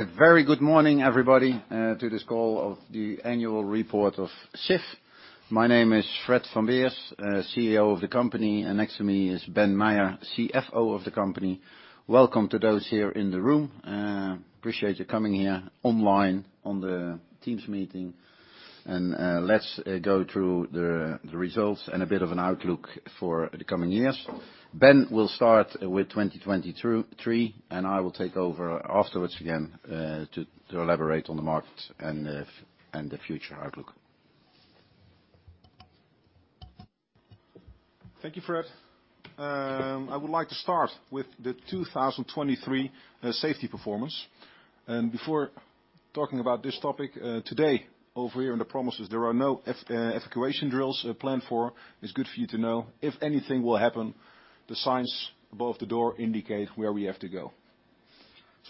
A very good morning, everybody, to this call of the annual report of Sif. My name is Fred van Beers, CEO of the company, and next to me is Ben Meijer, CFO of the company. Welcome to those here in the room. Appreciate you coming here online on the Teams meeting, and let's go through the results and a bit of an outlook for the coming years. Ben will start with 2023, and I will take over afterwards again, to elaborate on the market and the future outlook. Thank you, Fred. I would like to start with the 2023 safety performance. Before talking about this topic, today over here in the premises, there are no evacuation drills planned. It's good for you to know. If anything will happen, the signs above the door indicate where we have to go.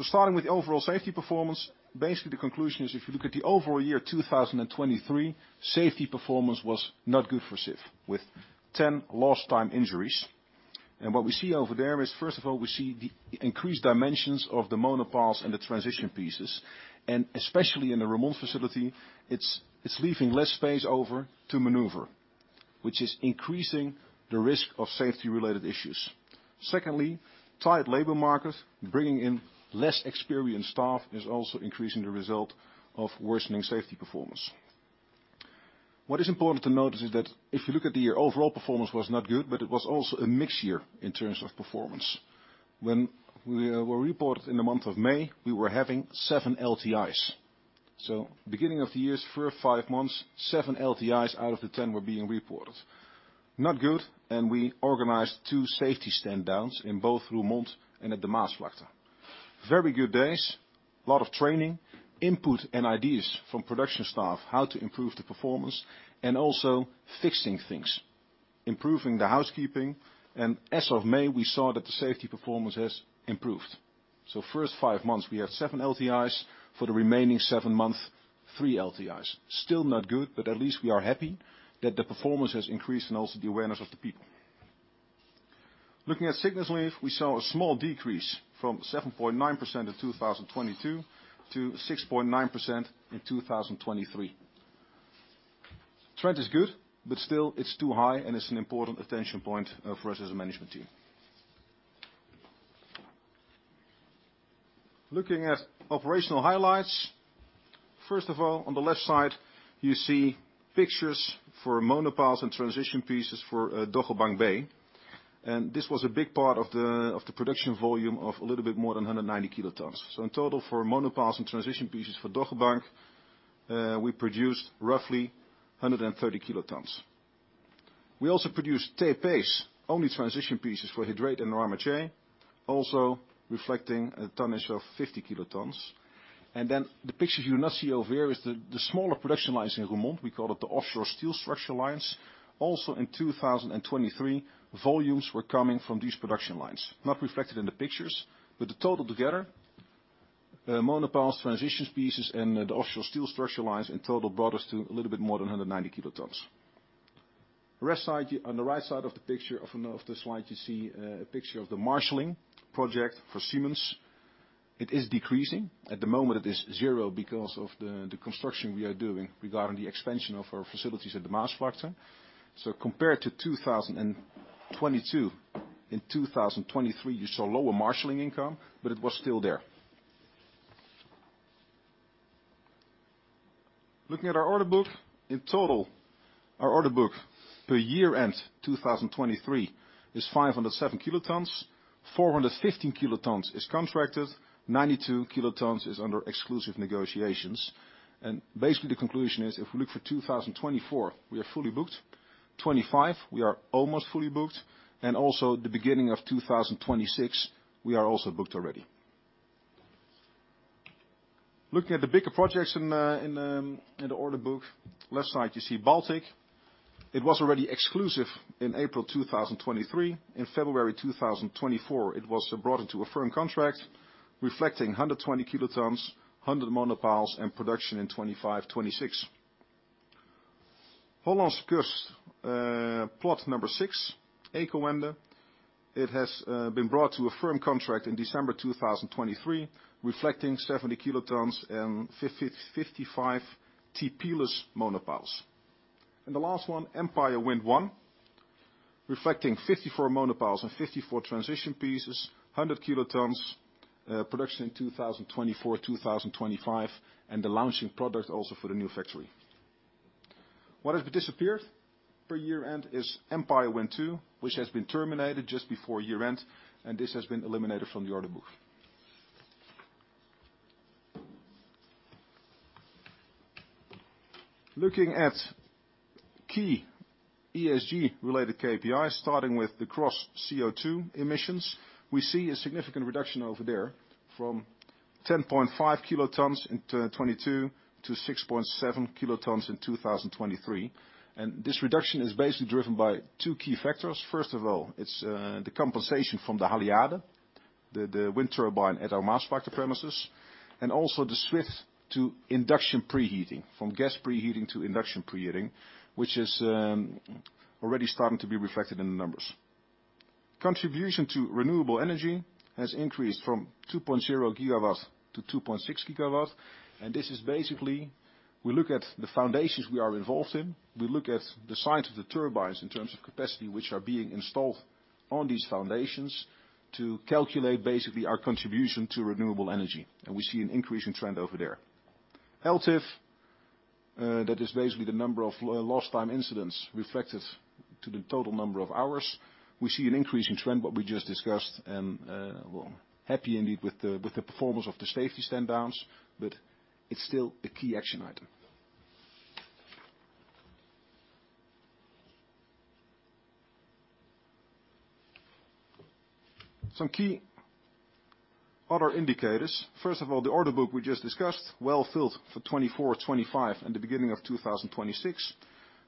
Starting with the overall safety performance, basically the conclusion is if you look at the overall year 2023, safety performance was not good for Sif with 10 lost-time injuries. What we see over there is, first of all, we see the increased dimensions of the monopiles and the transition pieces, and especially in the Roermond facility, it's leaving less space over to maneuver, which is increasing the risk of safety-related issues. Secondly, tight labor market, bringing in less experienced staff is also increasing the result of worsening safety performance. What is important to notice is that if you look at the year, overall performance was not good, but it was also a mixed year in terms of performance. When we were reported in the month of May, we were having seven LTIs. So beginning of the year's first five months, seven LTIs out of the 10 were being reported. Not good, and we organized 2 safety stand-downs in both Roermond and at the Maasvlakte. Very good days, a lot of training, input and ideas from production staff how to improve the performance, and also fixing things, improving the housekeeping. As of May, we saw that the safety performance has improved. So first five months, we had seven LTIs. For the remaining seven months, three LTIs. Still not good, but at least we are happy that the performance has increased and also the awareness of the people. Looking at sickness leave, we saw a small decrease from 7.9% in 2022 to 6.9% in 2023. Trend is good, but still it's too high and it's an important attention point, for us as a management team. Looking at operational highlights, first of all, on the left side, you see pictures for monopiles and transition pieces for Dogger Bank, and this was a big part of the production volume of a little bit more than 190 kilotons. So in total for monopiles and transition pieces for Dogger Bank, we produced roughly 130 kilotons. We also produced TPs, only transition pieces for He Dreiht and Noirmoutier, also reflecting a tonnage of 50 kilotons. And then the pictures you do not see over here is the smaller production lines in Roermond. We call it the offshore steel structure lines. Also in 2023, volumes were coming from these production lines, not reflected in the pictures, but the total together, monopiles, transition pieces, and the offshore steel structure lines in total brought us to a little bit more than 190 kilotons. On the right side, you see on the right side of the picture of the slide, you see a picture of the Marshalling project for Siemens. It is decreasing. At the moment, it is zero because of the construction we are doing regarding the expansion of our facilities at the Maasvlakte. So compared to 2022, in 2023, you saw lower Marshalling income, but it was still there. Looking at our order book, in total, our order book per year end 2023 is 507 kilotons. 415 kilotons is contracted. 92 kilotons is under exclusive negotiations. And basically the conclusion is if we look for 2024, we are fully booked. 2025, we are almost fully booked. Also the beginning of 2026, we are also booked already. Looking at the bigger projects in the order book, left side you see Baltic. It was already exclusive in April 2023. In February 2024, it was brought into a firm contract reflecting 120 kilotons, 100 monopiles, and production in 2025, 2026. Hollandse Kust, plot number six, Ecowende. It has been brought to a firm contract in December 2023 reflecting 70 kilotons and 55 TP-less monopiles. And the last one, Empire Wind 1, reflecting 54 monopiles and 54 transition pieces, 100 kilotons, production in 2024, 2025, and the launching product also for the new factory. What has disappeared per year end is Empire Wind 2, which has been terminated just before year end, and this has been eliminated from the order book. Looking at key ESG-related KPIs, starting with the gross CO2 emissions, we see a significant reduction over there from 10.5 kilotons in 2022 to 6.7 kilotons in 2023. This reduction is basically driven by two key factors. First of all, it's the compensation from the Haliade, the wind turbine at our Maasvlakte premises, and also the switch to induction preheating, from gas preheating to induction preheating, which is already starting to be reflected in the numbers. Contribution to renewable energy has increased from 2.0 GW to 2.6 GW, and this is basically we look at the foundations we are involved in. We look at the size of the turbines in terms of capacity, which are being installed on these foundations, to calculate basically our contribution to renewable energy, and we see an increasing trend over there. LTIF, that is basically the number of lost-time incidents relative to the total number of hours. We see an increasing trend, what we just discussed, and, well, happy indeed with the performance of the safety stand-downs, but it's still a key action item. Some key other indicators. First of all, the order book we just discussed, well-filled for 2024, 2025, and the beginning of 2026.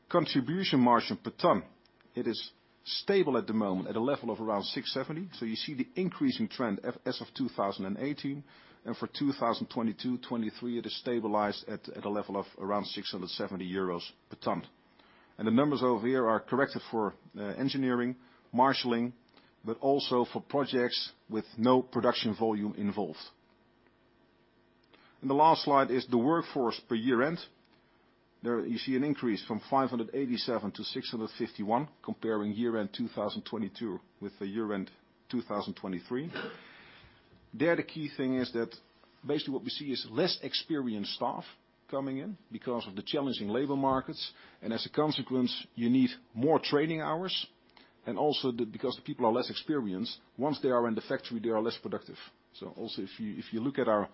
Contribution margin per ton. It is stable at the moment at a level of around 670, so you see the increasing trend as of 2018. And for 2022, 2023, it has stabilized at a level of around 670 euros per ton. And the numbers over here are corrected for engineering, Marshalling, but also for projects with no production volume involved. And the last slide is the workforce per year end. There you see an increase from 587 to 651 comparing year end 2022 with the year end 2023. There the key thing is that basically what we see is less experienced staff coming in because of the challenging labor markets, and as a consequence, you need more training hours. And also because the people are less experienced, once they are in the factory, they are less productive. So also if you look at our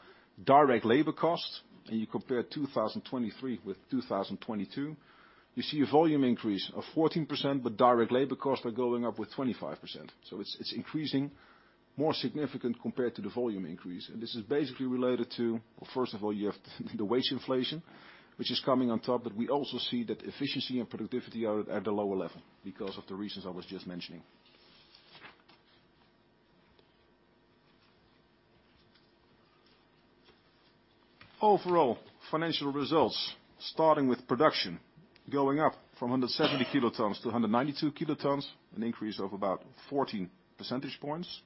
direct labor costs and you compare 2023 with 2022, you see a volume increase of 14%, but direct labor costs are going up with 25%. So it's increasing more significant compared to the volume increase. This is basically related to well, first of all, you have the wage inflation, which is coming on top, but we also see that efficiency and productivity are at a lower level because of the reasons I was just mentioning. Overall financial results, starting with production, going up from 170 kilotons to 192 kilotons, an increase of about 14 percentage points.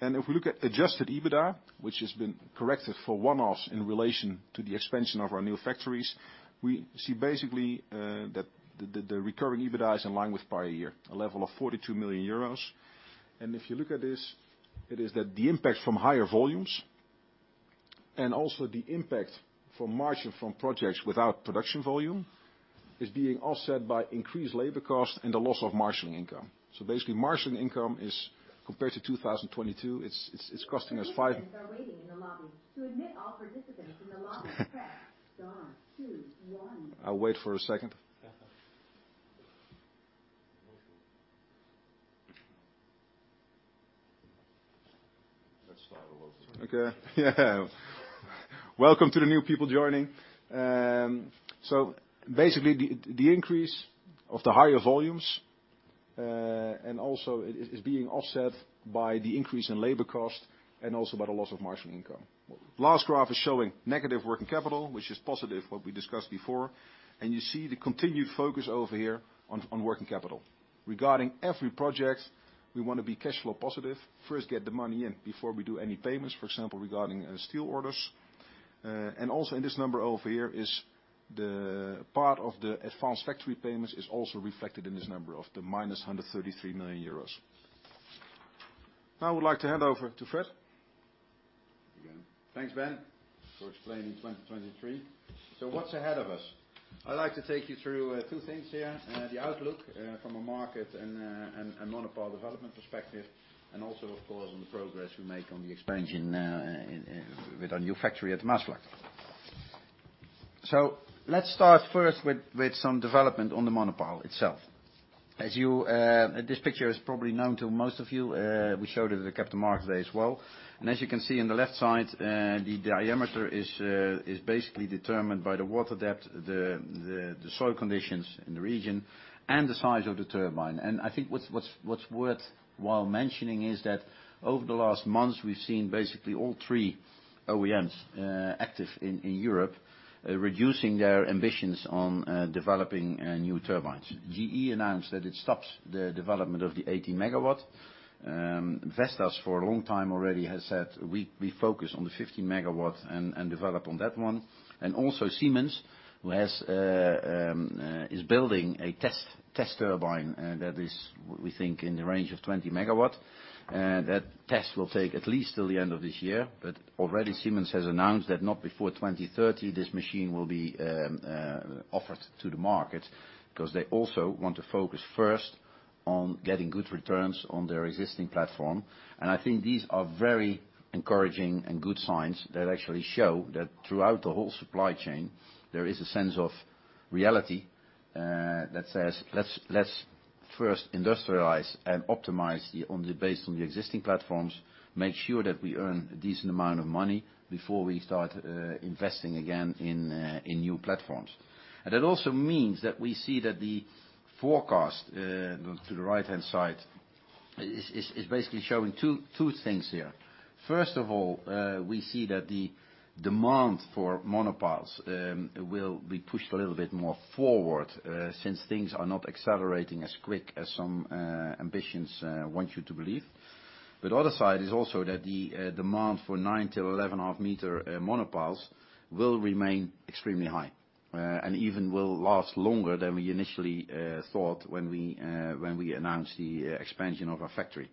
If we look at adjusted EBITDA, which has been corrected for one-offs in relation to the expansion of our new factories, we see basically, that the recurring EBITDA is in line with prior year, a level of 42 million euros. If you look at this, it is that the impact from higher volumes and also the impact from margin from projects without production volume is being offset by increased labor costs and the loss of Marshalling income. So basically, Marshalling income is compared to 2022, it's costing us 5. We are waiting in the lobby. To admit all participants in the lobby, press star two, one. I'll wait for a second. Let's start a little bit. Okay. Yeah. Welcome to the new people joining. So basically the increase of the higher volumes, and also it is being offset by the increase in labor costs and also by the loss of Marshalling income. Last graph is showing negative working capital, which is positive, what we discussed before, and you see the continued focus over here on working capital. Regarding every project, we wanna be cash flow positive, first get the money in before we do any payments, for example, regarding steel orders. And also in this number over here is the part of the advanced factory payments is also reflected in this number of the -133 million euros. Now I would like to hand over to Fred. Again, thanks, Ben, for explaining 2023. So what's ahead of us? I'd like to take you through two things here, the outlook from a market and monopile development perspective, and also, of course, on the progress we make on the expansion with our new factory at the Maasvlakte. So let's start first with some development on the monopile itself. As you, this picture is probably known to most of you. We showed it at the Capital Markets Day as well. And as you can see on the left side, the diameter is basically determined by the water depth, the soil conditions in the region, and the size of the turbine. And I think what's worthwhile mentioning is that over the last months, we've seen basically all three OEMs active in Europe reducing their ambitions on developing new turbines. GE announced that it stops the development of the 18-MW. Vestas for a long time already has said, "We, we focus on the 15-MW and, and develop on that one." And also Siemens, who has, is building a test, test turbine, that is, we think, in the range of 20-MW. That test will take at least till the end of this year, but already Siemens has announced that not before 2030 this machine will be, offered to the market because they also want to focus first on getting good returns on their existing platform. I think these are very encouraging and good signs that actually show that throughout the whole supply chain, there is a sense of reality, that says, "Let's first industrialize and optimize the on the based on the existing platforms, make sure that we earn a decent amount of money before we start investing again in new platforms." That also means that we see that the forecast, to the right-hand side, is basically showing two things here. First of all, we see that the demand for monopiles will be pushed a little bit more forward, since things are not accelerating as quick as some ambitions want you to believe. But the other side is also that the demand for 9m to 11.5m monopiles will remain extremely high, and even will last longer than we initially thought when we announced the expansion of our factory.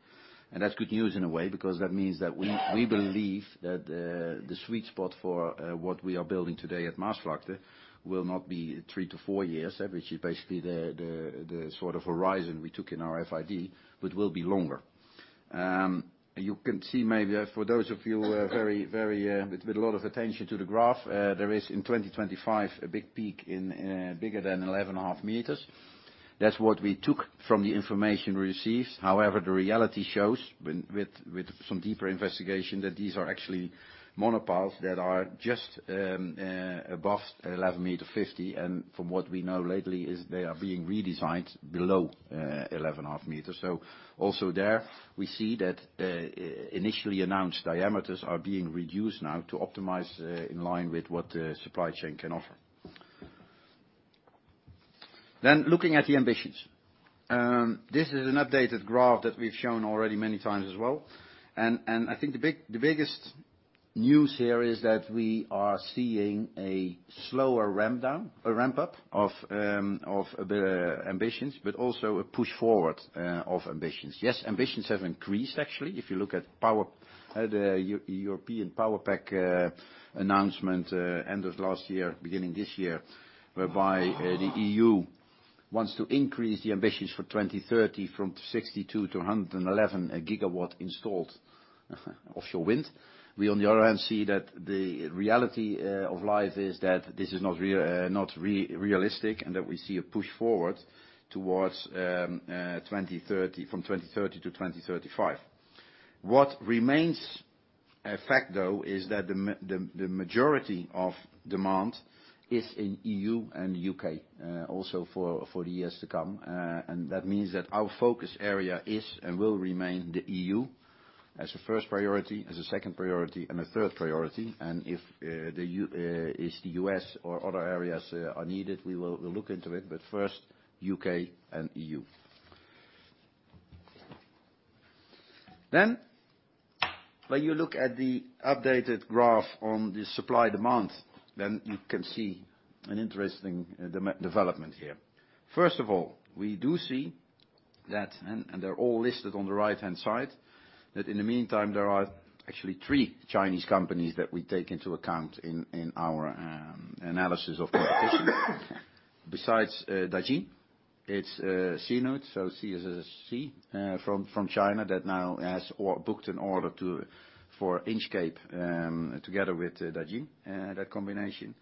And that's good news in a way because that means that we believe that the sweet spot for what we are building today at Maasvlakte will not be three to four years, which is basically the sort of horizon we took in our FID, but will be longer. You can see maybe for those of you with a lot of attention to the graph, there is in 2025 a big peak in bigger than 11.5m. That's what we took from the information we received. However, the reality shows with some deeper investigation that these are actually monopiles that are just above 11.5m. And from what we know lately is they are being redesigned below 11.5 meters. So also there, we see that, initially announced diameters are being reduced now to optimize, in line with what the supply chain can offer. Then looking at the ambitions. This is an updated graph that we've shown already many times as well. And I think the biggest news here is that we are seeing a slower ramp-up of a bit of ambitions, but also a push forward of ambitions. Yes, ambitions have increased actually. If you look at power at the EU European Power Pack announcement, end of last year, beginning this year, whereby the EU wants to increase the ambitions for 2030 from 62-111 GW installed offshore wind. We on the other hand see that the reality of life is that this is not realistic and that we see a push forward towards 2030 from 2030 to 2035. What remains a fact, though, is that the majority of demand is in EU and the U.K., also for the years to come. That means that our focus area is and will remain the EU as a first priority, as a second priority, and a third priority. If the U.S. or other areas are needed, we will look into it, but first U.K. and EU. When you look at the updated graph on the supply demand, you can see an interesting demand development here. First of all, we do see that and they're all listed on the right-hand side, that in the meantime, there are actually three Chinese companies that we take into account in our analysis of competition. Besides Dajin, it's CNOOD, so C as in C, from China that now has booked an order for Inch Cape, together with Dajin, that combination.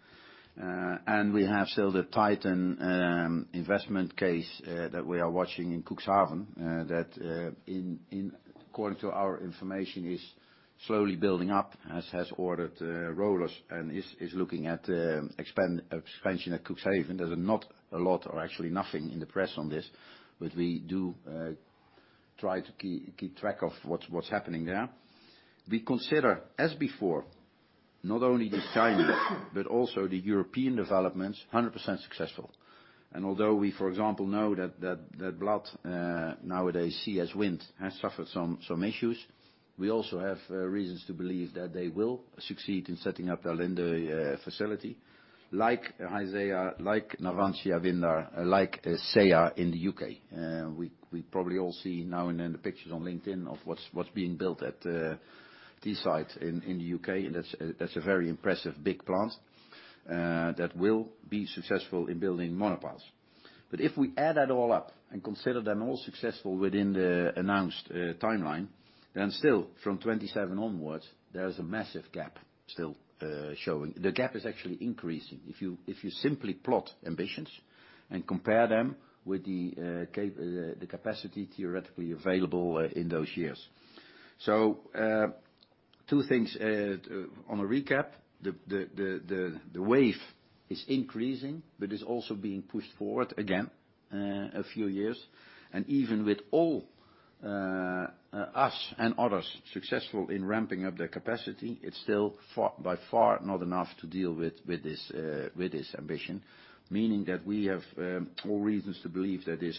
We have still the Titan investment case that we are watching in Cuxhaven that, according to our information, is slowly building up, has ordered Rohloff and is looking at expansion at Cuxhaven. There's not a lot or actually nothing in the press on this, but we do try to keep track of what's happening there. We consider as before, not only the Chinese, but also the European developments 100% successful. Although we, for example, know that Bladt Industries has suffered some issues, we also have reasons to believe that they will succeed in setting up their Lindø facility like Haizea, like Navantia, Windar, like SeAH Wind in the UK. We probably all see now and then the pictures on LinkedIn of what's being built at Teesside in the UK. And that's a very impressive big plant that will be successful in building monopiles. But if we add that all up and consider them all successful within the announced timeline, then still from 2027 onwards, there is a massive gap still showing. The gap is actually increasing if you simply plot ambitions and compare them with the capacity theoretically available in those years. So, two things on a recap. The wave is increasing, but it's also being pushed forward again a few years. And even with all of us and others successful in ramping up their capacity, it's still by far not enough to deal with this ambition, meaning that we have all reasons to believe that this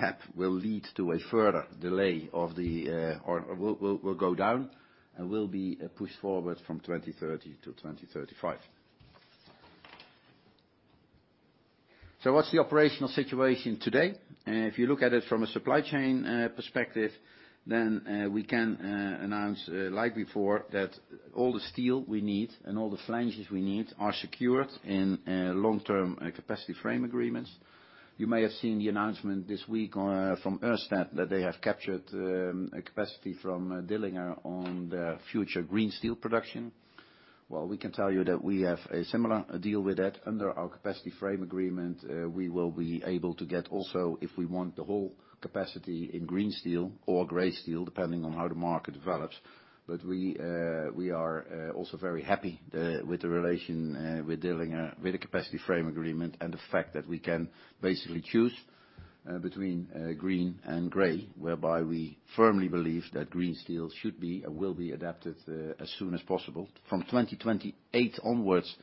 gap will lead to a further delay of the or will go down and will be pushed forward from 2030 to 2035. So what's the operational situation today? If you look at it from a supply chain perspective, then we can announce, like before, that all the steel we need and all the flanges we need are secured in long-term capacity frame agreements. You may have seen the announcement this week from Ørsted that they have captured capacity from Dillinger on their future green steel production. Well, we can tell you that we have a similar deal with that. Under our capacity frame agreement, we will be able to get also if we want the whole capacity in green steel or gray steel, depending on how the market develops. But we are also very happy with the relation with Dillinger with the capacity frame agreement and the fact that we can basically choose between green and gray, whereby we firmly believe that green steel should be and will be adopted as soon as possible. From 2028 onwards,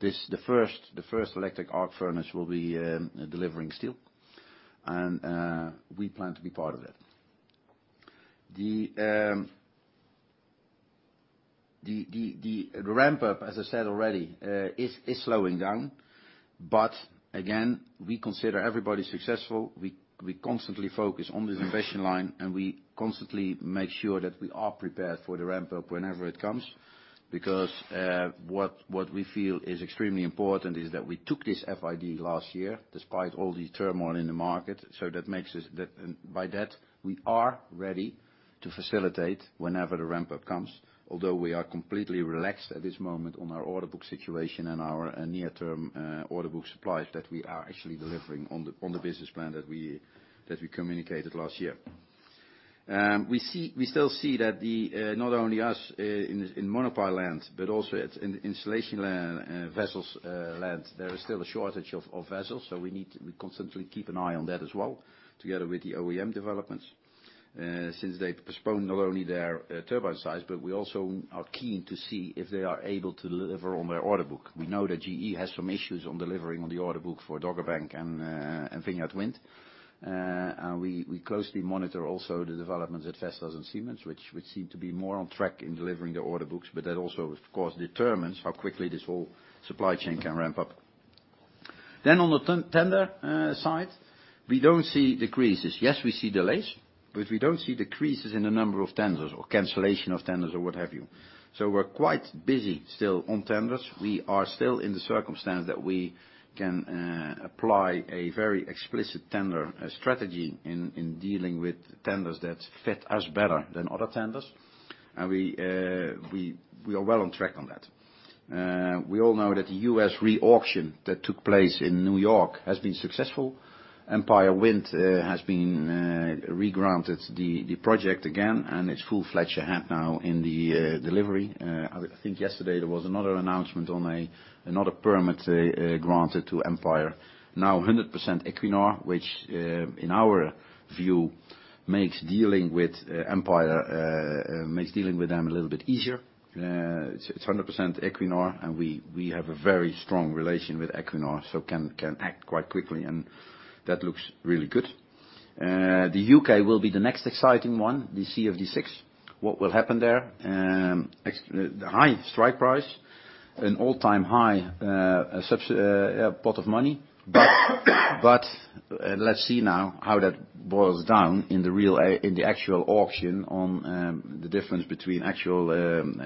the first electric arc furnace will be delivering steel. And we plan to be part of that. The ramp-up, as I said already, is slowing down. But again, we consider everybody successful. We constantly focus on this ambition line, and we constantly make sure that we are prepared for the ramp-up whenever it comes because what we feel is extremely important is that we took this FID last year despite all the turmoil in the market. So that makes us that and by that, we are ready to facilitate whenever the ramp-up comes, although we are completely relaxed at this moment on our order book situation and our near-term order book supplies that we are actually delivering on the business plan that we communicated last year. We still see that not only us in monopile land, but also in installation land, vessels land, there is still a shortage of vessels. So we need to constantly keep an eye on that as well together with the OEM developments, since they postpone not only their turbine size, but we also are keen to see if they are able to deliver on their order book. We know that GE has some issues on delivering on the order book for Dogger Bank and Vineyard Wind. And we closely monitor also the developments at Vestas and Siemens, which seem to be more on track in delivering their order books, but that also, of course, determines how quickly this whole supply chain can ramp up. Then on the tender side, we don't see decreases. Yes, we see delays, but we don't see decreases in the number of tenders or cancellation of tenders or what have you. So we're quite busy still on tenders. We are still in the circumstance that we can apply a very explicit tender strategy in dealing with tenders that fit us better than other tenders. We are well on track on that. We all know that the US re-auction that took place in New York has been successful. Empire Wind has been re-granted the project again, and it's full-fledged ahead now in the delivery. I think yesterday there was another announcement on another permit granted to Empire, now 100% Equinor, which in our view makes dealing with Empire makes dealing with them a little bit easier. It's 100% Equinor, and we have a very strong relation with Equinor, so can act quite quickly, and that looks really good. The UK will be the next exciting one, theCfD 6. What will happen there? Except the high strike price, an all-time high, subsidies yeah, pot of money. But let's see now how that boils down in the real in the actual auction on the difference between actual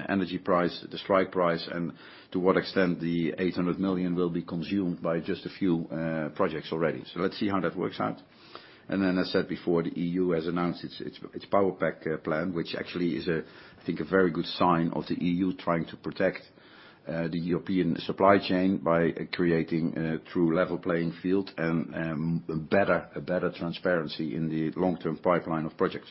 energy price, the strike price, and to what extent the 800 million will be consumed by just a few projects already. So let's see how that works out. And then, as said before, the EU has announced its Power Pack plan, which actually is, I think, a very good sign of the EU trying to protect the European supply chain by creating true level playing field and better transparency in the long-term pipeline of projects.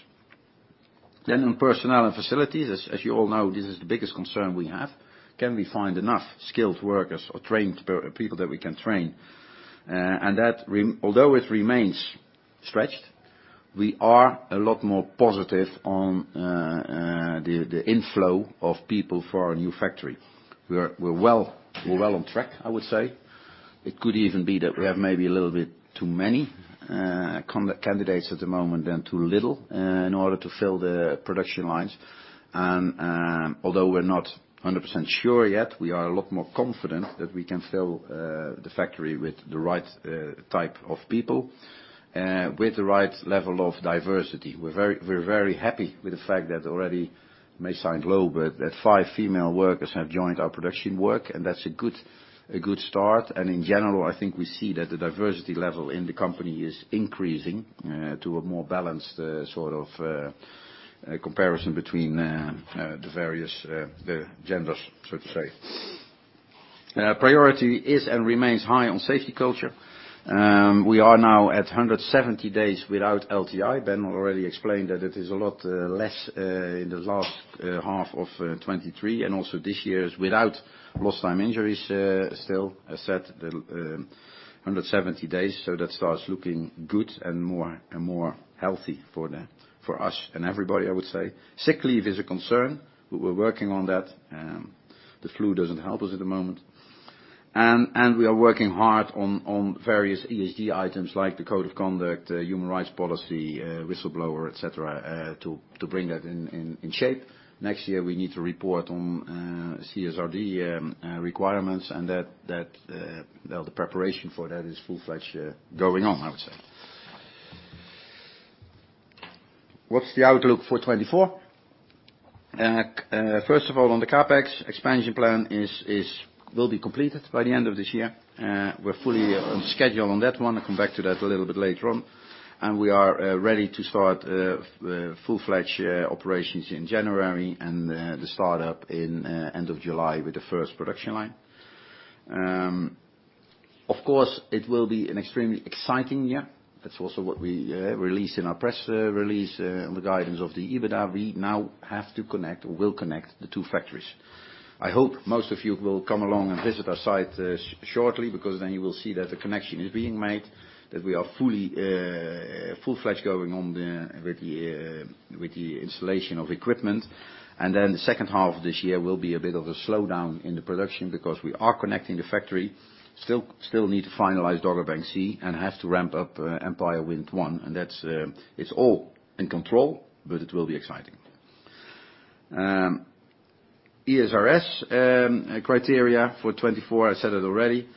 Then, on personnel and facilities, as you all know, this is the biggest concern we have. Can we find enough skilled workers or trained people that we can train? And that, although it remains stretched, we are a lot more positive on the inflow of people for our new factory. We're well on track, I would say. It could even be that we have maybe a little bit too many candidates at the moment than too little, in order to fill the production lines. And, although we're not 100% sure yet, we are a lot more confident that we can fill the factory with the right type of people, with the right level of diversity. We're very happy with the fact that already, it may sound low, but that five female workers have joined our production work, and that's a good start. In general, I think we see that the diversity level in the company is increasing to a more balanced sort of comparison between the various genders, so to say. Priority is and remains high on safety culture. We are now at 170 days without LTI. Ben already explained that it is a lot less in the last half of 2023 and also this year is without lost time injuries, still, as said, the 170 days. So that starts looking good and more and more healthy for us and everybody, I would say. Sick leave is a concern. We're working on that. The flu doesn't help us at the moment. And, and we are working hard on various ESG items like the code of conduct, human rights policy, whistleblower, etc., to bring that in shape. Next year, we need to report on CSRD requirements, and that, well, the preparation for that is full-fledged, going on, I would say. What's the outlook for 2024? First of all, on the CapEx, expansion plan will be completed by the end of this year. We're fully on schedule on that one. I'll come back to that a little bit later on. And we are ready to start full-fledged operations in January and the startup in end of July with the first production line. Of course, it will be an extremely exciting year. That's also what we released in our press release on the guidance of the EBITDA. We now have to connect or will connect the two factories. I hope most of you will come along and visit our site shortly because then you will see that the connection is being made, that we are full-fledged going on with the installation of equipment. Then the second half of this year will be a bit of a slowdown in the production because we are connecting the factory, still need to finalize Dogger Bank C and have to ramp up Empire Wind 1. And that's all in control, but it will be exciting. ESRS criteria for 2024, I said it already,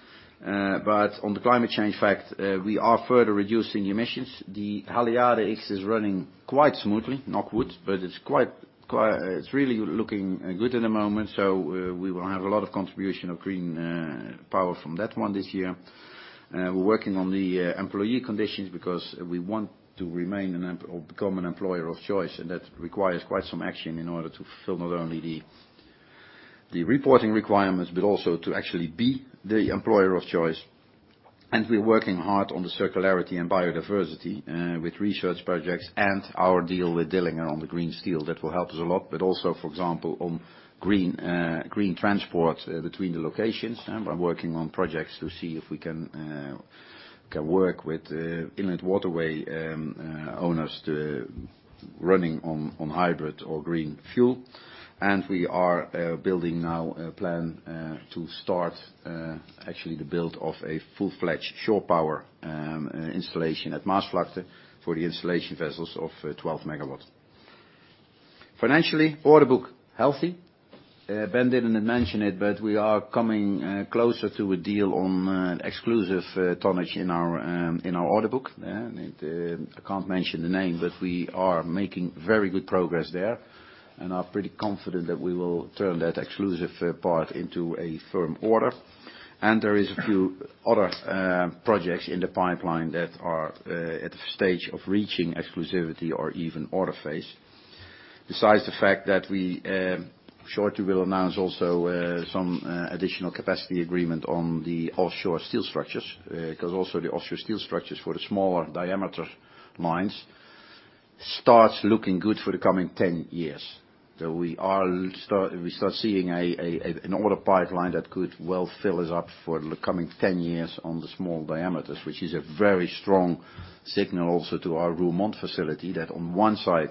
but on the climate change fact, we are further reducing emissions. The Haliade-X is running quite smoothly, not good, but it's quite, it's really looking good at the moment. So, we will have a lot of contribution of green power from that one this year. We're working on the employee conditions because we want to remain an employer or become an employer of choice, and that requires quite some action in order to fulfill not only the reporting requirements, but also to actually be the employer of choice. We're working hard on the circularity and biodiversity, with research projects and our deal with Dillinger on the green steel that will help us a lot, but also, for example, on green transport, between the locations. I'm working on projects to see if we can work with inland waterway owners to running on hybrid or green fuel. We are building now a plan to start actually the build of a full-fledged shore power installation at Maasvlakte for the installation vessels of 12MB. Financially, order book healthy. Ben didn't mention it, but we are coming closer to a deal on exclusive tonnage in our order book. It, I can't mention the name, but we are making very good progress there and are pretty confident that we will turn that exclusive part into a firm order. And there is a few other projects in the pipeline that are at the stage of reaching exclusivity or even order phase. Besides the fact that we shortly will announce also some additional capacity agreement on the offshore steel structures, because also the offshore steel structures for the smaller diameter lines starts looking good for the coming 10 years. So we start seeing an order pipeline that could well fill us up for the coming 10 years on the small diameters, which is a very strong signal also to our Roermond facility that on one side,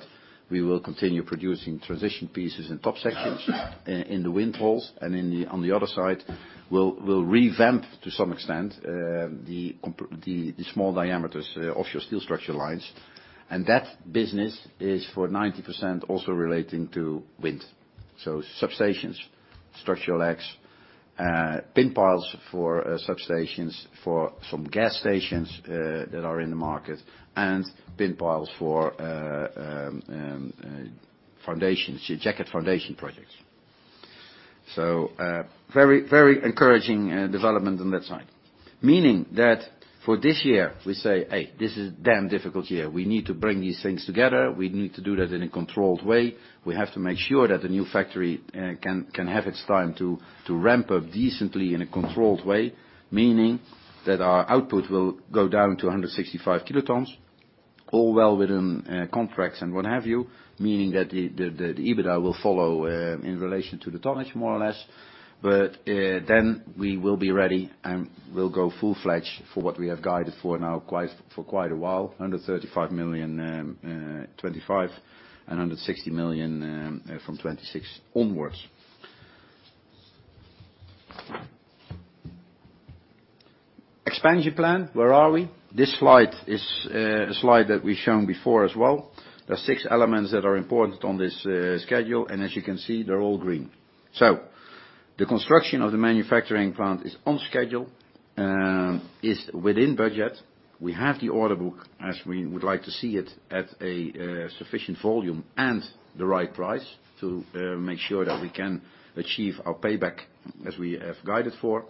we will continue producing transition pieces and top sections in the wind towers, and on the other side, we'll revamp to some extent the small diameters offshore steel structure lines. And that business is for 90% also relating to wind. So substations, structural legs, pin piles for substations, for some gas stations that are in the market, and pin piles for foundations, jacket foundation projects. So, very, very encouraging development on that side. Meaning that for this year, we say, "Hey, this is a damn difficult year. We need to bring these things together. We need to do that in a controlled way. We have to make sure that the new factory can have its time to ramp up decently in a controlled way, meaning that our output will go down to 165 kilotons, all well within contracts and what have you, meaning that the EBITDA will follow in relation to the tonnage more or less. But then we will be ready and we'll go full-fledged for what we have guided for now for quite a while, 135 million, 2025, and 160 million, from 2026 onwards. Expansion plan, where are we? This slide is a slide that we've shown before as well. There are six elements that are important on this schedule, and as you can see, they're all green. So the construction of the manufacturing plant is on schedule, is within budget. We have the order book as we would like to see it at sufficient volume and the right price to make sure that we can achieve our payback as we have guided for.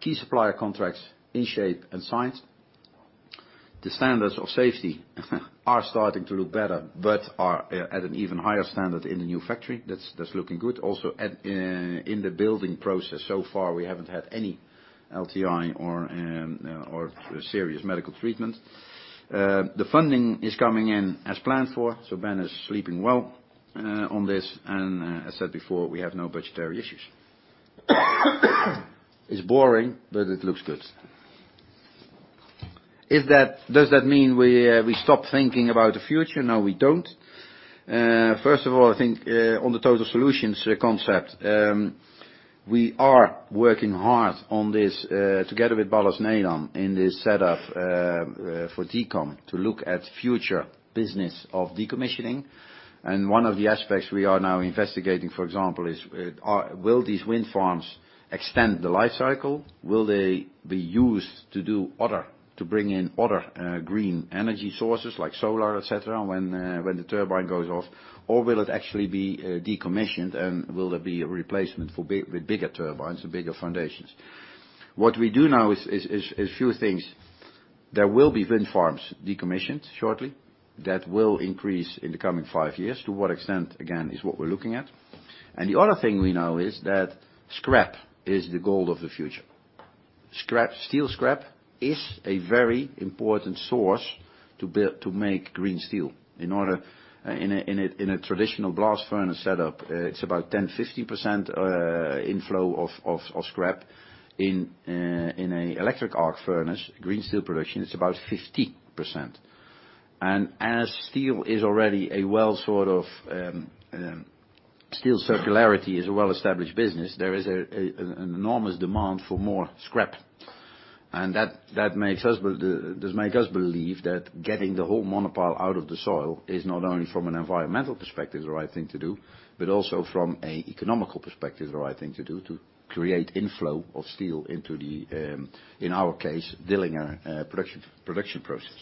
Key supplier contracts in shape and signed. The standards of safety are starting to look better, but are at an even higher standard in the new factory. That's looking good. Also, in the building process so far, we haven't had any LTI or serious medical treatment. The funding is coming in as planned for. So Ben is sleeping well on this. And as said before, we have no budgetary issues. It's boring, but it looks good. Does that mean we stop thinking about the future? No, we don't. First of all, I think, on the total solutions concept, we are working hard on this, together with Ballast Nedam in this setup, for Decom to look at future business of decommissioning. One of the aspects we are now investigating, for example, is, or will these wind farms extend the life cycle? Will they be used to do other to bring in other, green energy sources like solar, etc., when the turbine goes off? Or will it actually be decommissioned, and will there be a replacement by with bigger turbines and bigger foundations? What we do now is a few things. There will be wind farms decommissioned shortly that will increase in the coming five years. To what extent, again, is what we're looking at. And the other thing we know is that scrap is the gold of the future. Scrap steel is a very important source to build to make green steel. In a traditional blast furnace setup, it's about 10%-15% inflow of scrap. In an electric arc furnace green steel production, it's about 50%. And as steel is already a well sort of, steel circularity is a well-established business, there is an enormous demand for more scrap. And that makes us believe that getting the whole monopile out of the soil is not only from an environmental perspective the right thing to do, but also from an economical perspective the right thing to do to create inflow of steel into the, in our case, Dillinger, production process.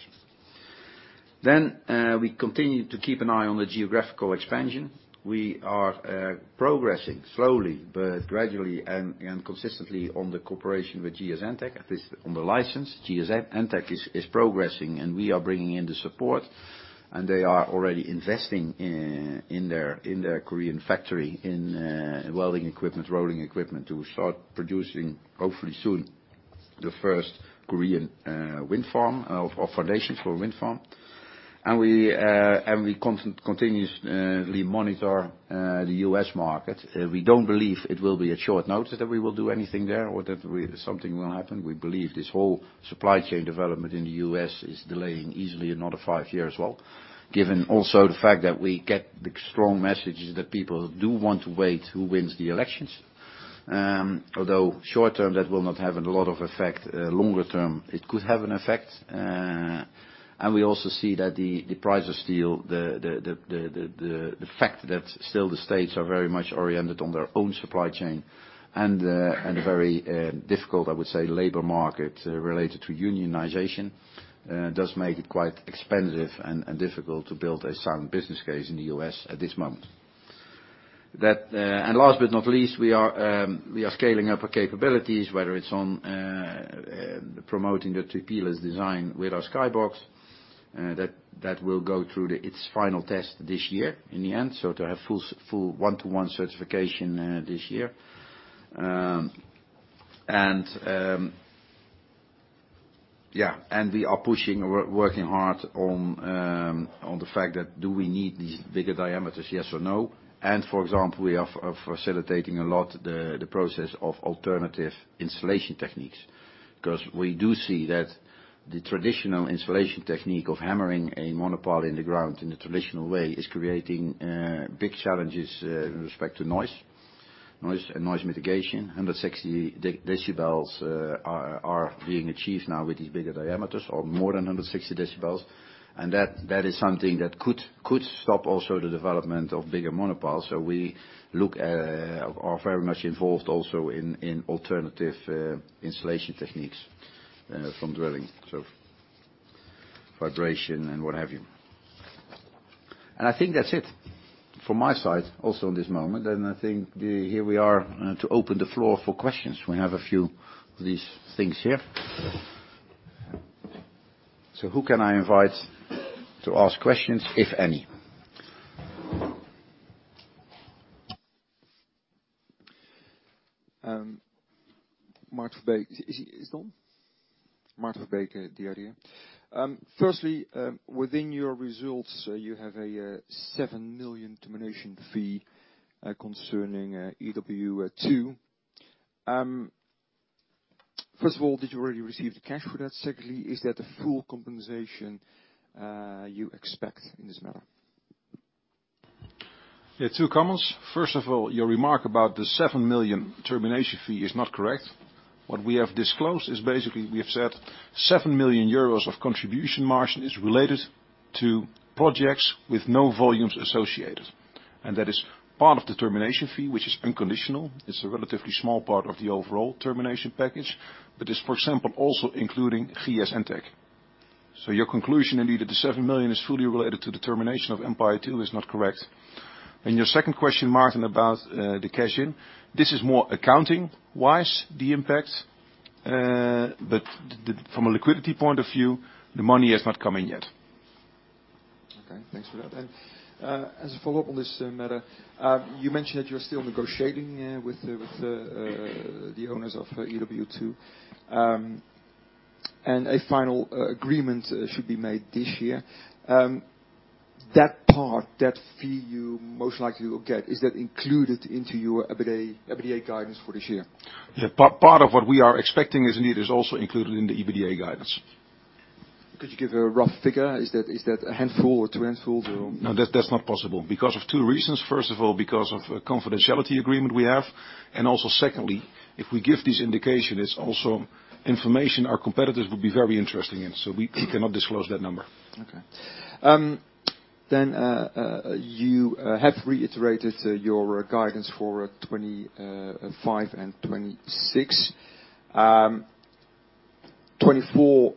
Then, we continue to keep an eye on the geographical expansion. We are progressing slowly, but gradually and consistently on the cooperation with GS Entec on the license. GS Entec is progressing, and we are bringing in the support, and they are already investing in their Korean factory in welding equipment, rolling equipment to start producing, hopefully soon, the first Korean wind farm foundations or foundations for a wind farm. And we constantly continuously monitor the US market. We don't believe it will be at short notice that we will do anything there or that something will happen. We believe this whole supply chain development in the US is delaying easily another five years as well, given also the fact that we get the strong messages that people do want to wait who wins the elections. Although short term, that will not have a lot of effect. Longer term, it could have an effect. And we also see that the price of steel, the fact that still the states are very much oriented on their own supply chain and a very difficult, I would say, labor market, related to unionization, does make it quite expensive and difficult to build a sound business case in the US at this moment. That, and last but not least, we are scaling up our capabilities, whether it's promoting the TP-less design with our Skybox, that will go through its final test this year in the end, so to have full one-to-one certification this year. And, yeah. And we are pushing or working hard on the fact that do we need these bigger diameters, yes or no? For example, we are facilitating a lot the process of alternative installation techniques because we do see that the traditional installation technique of hammering a monopile in the ground in the traditional way is creating big challenges in respect to noise and noise mitigation. 160 decibels are being achieved now with these bigger diameters or more than 160 decibels. And that is something that could stop also the development of bigger monopiles. So we are very much involved also in alternative installation techniques, from drilling, so vibration and what have you. And I think that's it from my side also in this moment. And I think here we are to open the floor for questions. We have a few of these things here. So who can I invite to ask questions, if any? Mark Verbiesen, is he on? Mark Verbiesen, DRDA. Firstly, within your results, you have a 7 million termination fee concerning EW2. First of all, did you already receive the cash for that? Secondly, is that the full compensation you expect in this matter? Yeah, two comments. First of all, your remark about the 7 million termination fee is not correct. What we have disclosed is basically we have said 7 million euros of contribution margin is related to projects with no volumes associated. And that is part of the termination fee, which is unconditional. It's a relatively small part of the overall termination package, but it's, for example, also including GS Entec. So your conclusion, indeed, that the 7 million is fully related to the termination of Empire Wind 2 is not correct. Your second question, Martin, about the cash in, this is more accounting-wise, the impact, but from a liquidity point of view, the money has not come in yet. Okay. Thanks for that. As a follow-up on this matter, you mentioned that you are still negotiating with the owners of EW2 and a final agreement should be made this year. That part, that fee you most likely will get, is that included into your EBITDA EBITDA guidance for this year? Yeah, part of what we are expecting is, indeed, also included in the EBITDA guidance. Could you give a rough figure? Is that a handful or two handfuls or? No, that's not possible because of two reasons. First of all, because of a confidentiality agreement we have. And also secondly, if we give this indication, it's also information our competitors would be very interested in. So we cannot disclose that number. Okay. Then you have reiterated your guidance for 2025 and 2026. 2024,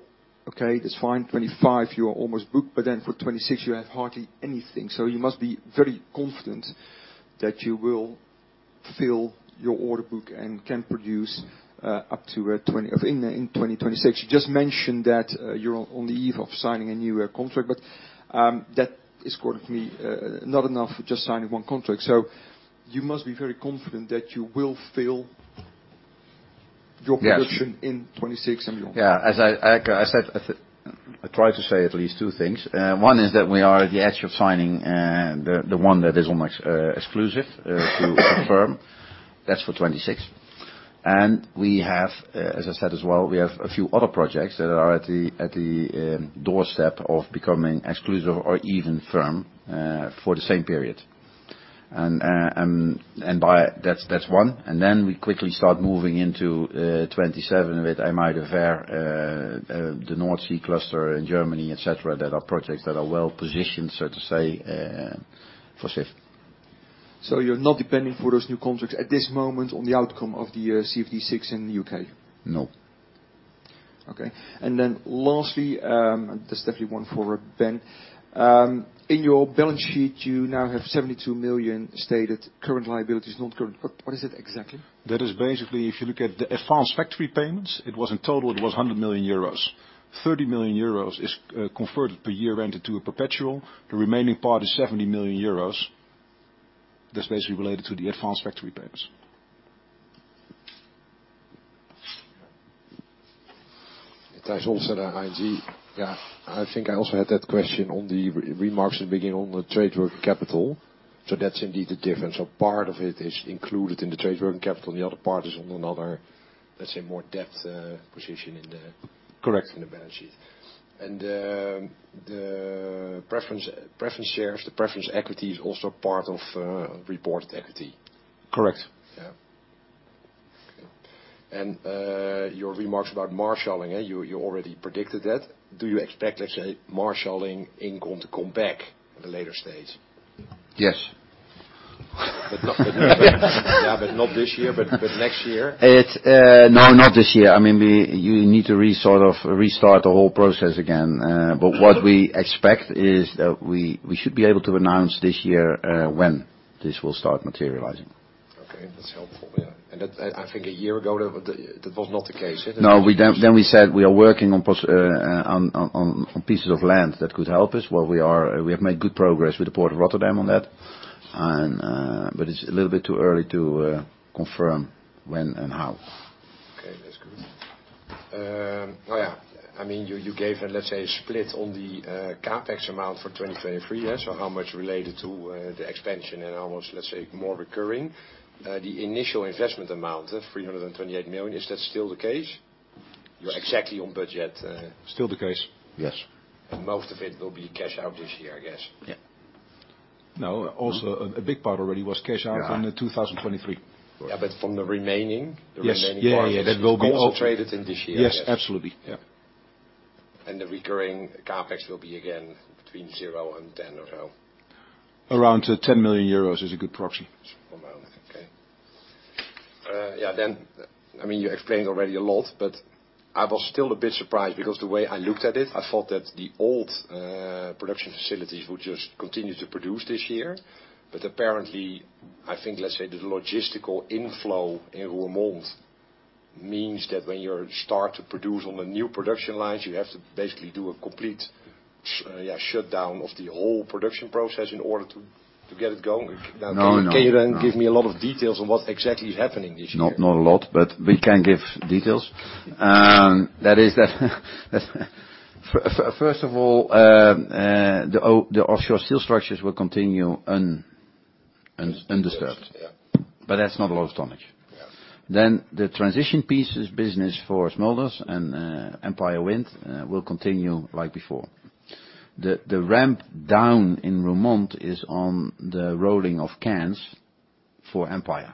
okay, that's fine. 2025, you are almost booked, but then for 2026, you have hardly anything. So you must be very confident that you will fill your order book and can produce up to 20 or in 2026. You just mentioned that you're on the eve of signing a new contract, but that is, according to me, not enough, just signing one contract. So you must be very confident that you will fill your production in 2026 and beyond. Yeah. As I echo I said, I tried to say at least two things. One is that we are at the edge of signing the one that is almost exclusive to firm. That's for 2026. And we have, as I said as well, a few other projects that are at the doorstep of becoming exclusive or even firm for the same period. And that's one. And then we quickly start moving into 2027 with IJmuiden Ver, the Nordseecluster in Germany, etc., that are projects that are well positioned, so to say, for Sif. So you're not depending for those new contracts at this moment on the outcome of the CFD6 in the UK? No. Okay. And then lastly, that's definitely one for Ben. In your balance sheet, you now have 72 million stated current liabilities, non-current. What is that exactly? That is basically if you look at the advance factory payments, it was in total, it was 100 million euros. 30 million euros is, converted per year rented to a perpetual. The remaining part is 70 million euros. That's basically related to the advance factory payments. Yeah. Tijs Hollestelle, ING yeah, I think I also had that question on the remarks in the beginning on the trade working capital. So that's indeed the difference. So part of it is included in the trade working capital. The other part is on another, let's say, more debt position in the. Correct. In the balance sheet. And, the preference preference shares, the preference equity is also part of, reported equity. Correct. Yeah. Okay. And, your remarks about marshalling, you, you already predicted that. Do you expect, let's say, marshalling income to come back at a later stage? Yes. But not yeah, but not this year, but next year? No, not this year. I mean, we, you need to restart the whole process again. But what we expect is that we should be able to announce this year when this will start materializing. Okay. That's helpful. Yeah. And that, I think a year ago, that was not the case, is it? No, then we said we are working on possible pieces of land that could help us. Well, we have made good progress with the Port of Rotterdam on that. But it's a little bit too early to confirm when and how. Okay. That's good. Oh yeah. I mean, you gave, let's say, a split on the CapEx amount for 2023, yeah? So how much related to the expansion and almost, let's say, more recurring. The initial investment amount, 328 million, is that still the case? You're exactly on budget. Still the case. Yes. And most of it will be cash out this year, I guess? Yeah. No, also a big part already was cash out in 2023. Yeah, but from the remaining, the remaining part is also traded in this year, yes? Yes, absolutely. Yeah. And the recurring CapEx will be again between 0-10 or so? Around, 10 million euros is a good proxy. Amount. Okay. Yeah, then I mean, you explained already a lot, but I was still a bit surprised because the way I looked at it, I thought that the old production facilities would just continue to produce this year. But apparently, I think, let's say, the logistical inflow in Roermond means that when you start to produce on the new production lines, you have to basically do a complete, yeah, shutdown of the whole production process in order to get it going. Now, can you then give me a lot of details on what exactly is happening this year? Not a lot, but we can give details. That is, that first of all, the offshore steel structures will continue undisturbed. Yeah. But that's not a lot of tonnage. Yeah. Then the transition pieces business for Smulders and Empire Wind will continue like before. The ramp down in Roermond is on the rolling of cans for Empire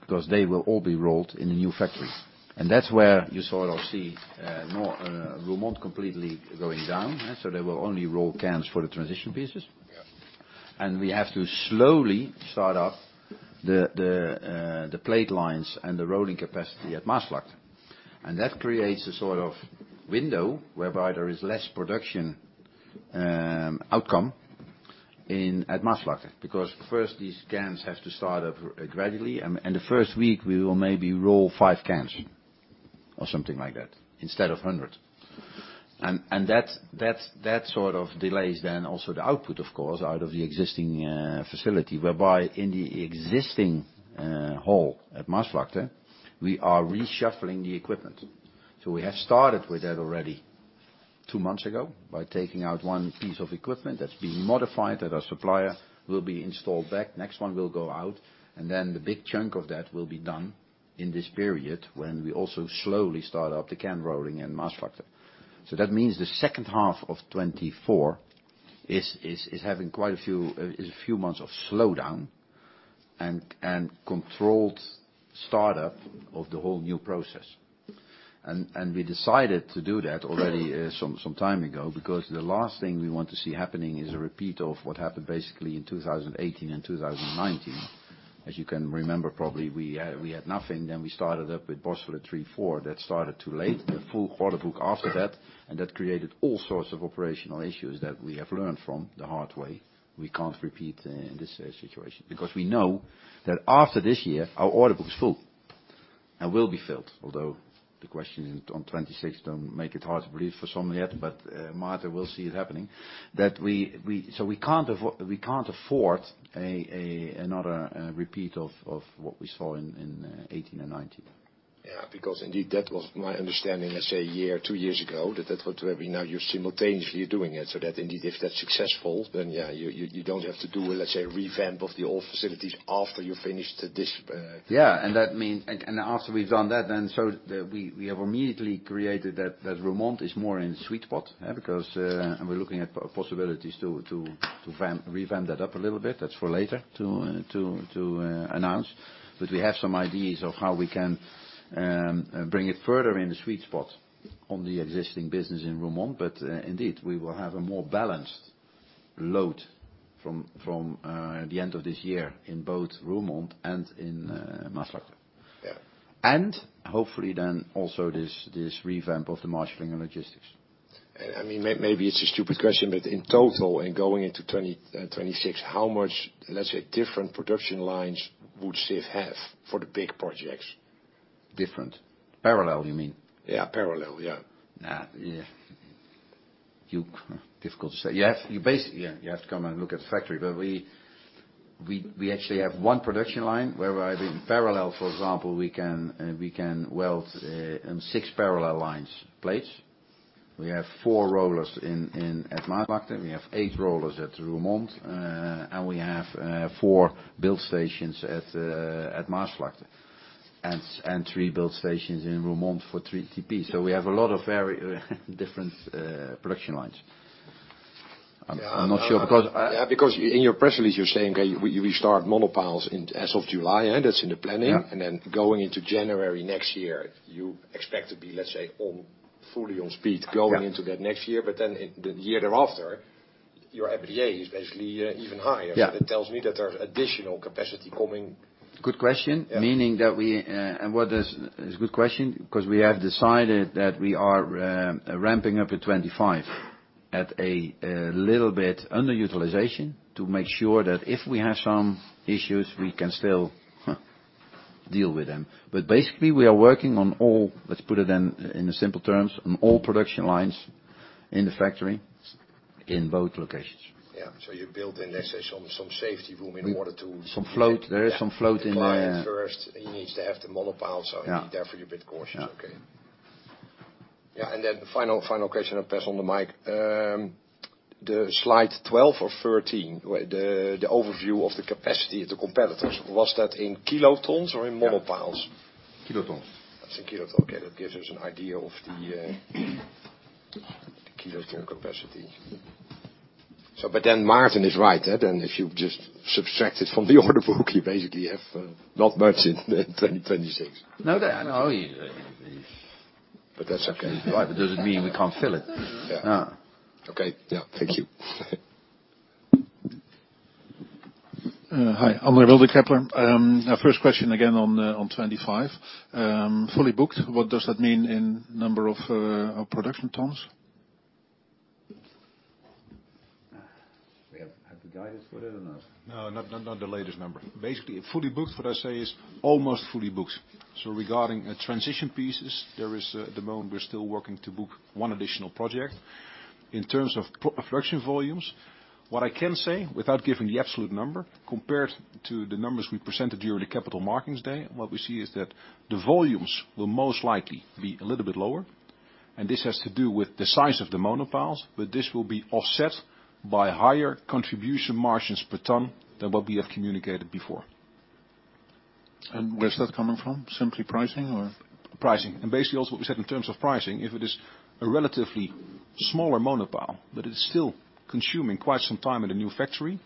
because they will all be rolled in the new factory. And that's where you sort of see now Roermond completely going down, huh? So they will only roll cans for the transition pieces. Yeah. We have to slowly start up the plate lines and the rolling capacity at Maasvlakte. That creates a sort of window whereby there is less production outcome at Maasvlakte because first, these cans have to start up gradually. The first week, we will maybe roll five cans or something like that instead of 100. That sort of delays then also the output, of course, out of the existing facility whereby in the existing hall at Maasvlakte, we are reshuffling the equipment. We have started with that already two months ago by taking out one piece of equipment that's being modified that our supplier will install back. Next one will go out. And then the big chunk of that will be done in this period when we also slowly start up the can rolling in Maasvlakte. So that means the second half of 2024 is having quite a few months of slowdown and controlled startup of the whole new process. And we decided to do that already some time ago because the last thing we want to see happening is a repeat of what happened basically in 2018 and 2019. As you can remember probably, we had nothing. Then we started up with Borssele III & IV that started too late, the full order book after that. And that created all sorts of operational issues that we have learned from the hard way. We can't repeat in this situation because we know that after this year, our order book is full and will be filled, although the questions on 2026 don't make it hard to believe for some yet. But, Martin, we'll see it happening that we so we can't afford another repeat of what we saw in 2018 and 2019. Yeah, because indeed, that was my understanding, let's say, a year, two years ago that that's what where we now you're simultaneously doing it. So that indeed, if that's successful, then yeah, you don't have to do a, let's say, revamp of the old facilities after you finished this. Yeah. And that means and, and after we've done that, then so that we have immediately created that Roermond is more in a sweet spot, huh? Because, and we're looking at possibilities to revamp that up a little bit. That's for later to announce. But we have some ideas of how we can bring it further in the sweet spot on the existing business in Roermond. But, indeed, we will have a more balanced load from the end of this year in both Roermond and Maasvlakte. Yeah. And hopefully then also this revamp of the marshalling and logistics. And I mean, maybe it's a stupid question, but in total and going into 2020, 2026, how much, let's say, different production lines would SIF have for the big projects? Different? Parallel, you mean? Yeah, parallel. Yeah. Yeah. It's difficult to say. You have, you basically yeah, you have to come and look at the factory. But we actually have one production line whereby in parallel, for example, we can weld six parallel lines plates. We have 4four rollers in at Maasvlakte. We have eight rollers at Roermond, and we have four build stations at Maasvlakte and three build stations in Roermond for 3TP. So we have a lot of very different production lines. I'm not sure because. Yeah, because in your press release, you're saying, "Okay, we start monopiles in as of July," huh? That's in the planning. And then going into January next year, you expect to be, let's say, on fully on speed going into that next year. But then in the year thereafter, your EBITDA is basically even higher. So that tells me that there's additional capacity coming. Good question. Meaning that we, and what is it? It's a good question because we have decided that we are ramping up at 2025 at a little bit underutilization to make sure that if we have some issues, we can still deal with them. But basically, we are working on all. Let's put it then in simple terms on all production lines in the factory in both locations. Yeah. So you're building, let's say, some safety room in order to some float. There is some float in the pipeline first. You need to have the monopiles, so indeed, therefore, you're a bit cautious. Okay. Yeah. And then the final question, Thijs, on the mic. The slide 12 or 13, where the overview of the capacity of the competitors, was that in kilotons or in monopiles? Kilotons. That's in kilotons. Okay. That gives us an idea of the kiloton capacity. So, but then Martin is right, huh? Then if you just subtract it from the order book, you basically have not much in 2026. No, that I know. He's, he's. But that's okay. Right. But does it mean we can't fill it? No. Okay. Yeah.Thank you. Hi, André Mulder. Now, first question again on 2025. Fully booked, what does that mean in number of production tons? We have we guidance for that or not? No, not the latest number. Basically, fully booked, what I say is almost fully booked. So, regarding transition pieces, there is, at the moment, we're still working to book one additional project. In terms of production volumes, what I can say without giving the absolute number, compared to the numbers we presented during the capital markets day, what we see is that the volumes will most likely be a little bit lower. And this has to do with the size of the monopiles, but this will be offset by higher contribution margins per ton than what we have communicated before. And where's that coming from? Simply pricing or? Pricing. And basically also what we said in terms of pricing, if it is a relatively smaller monopile, but it is still consuming quite some time in the new factory,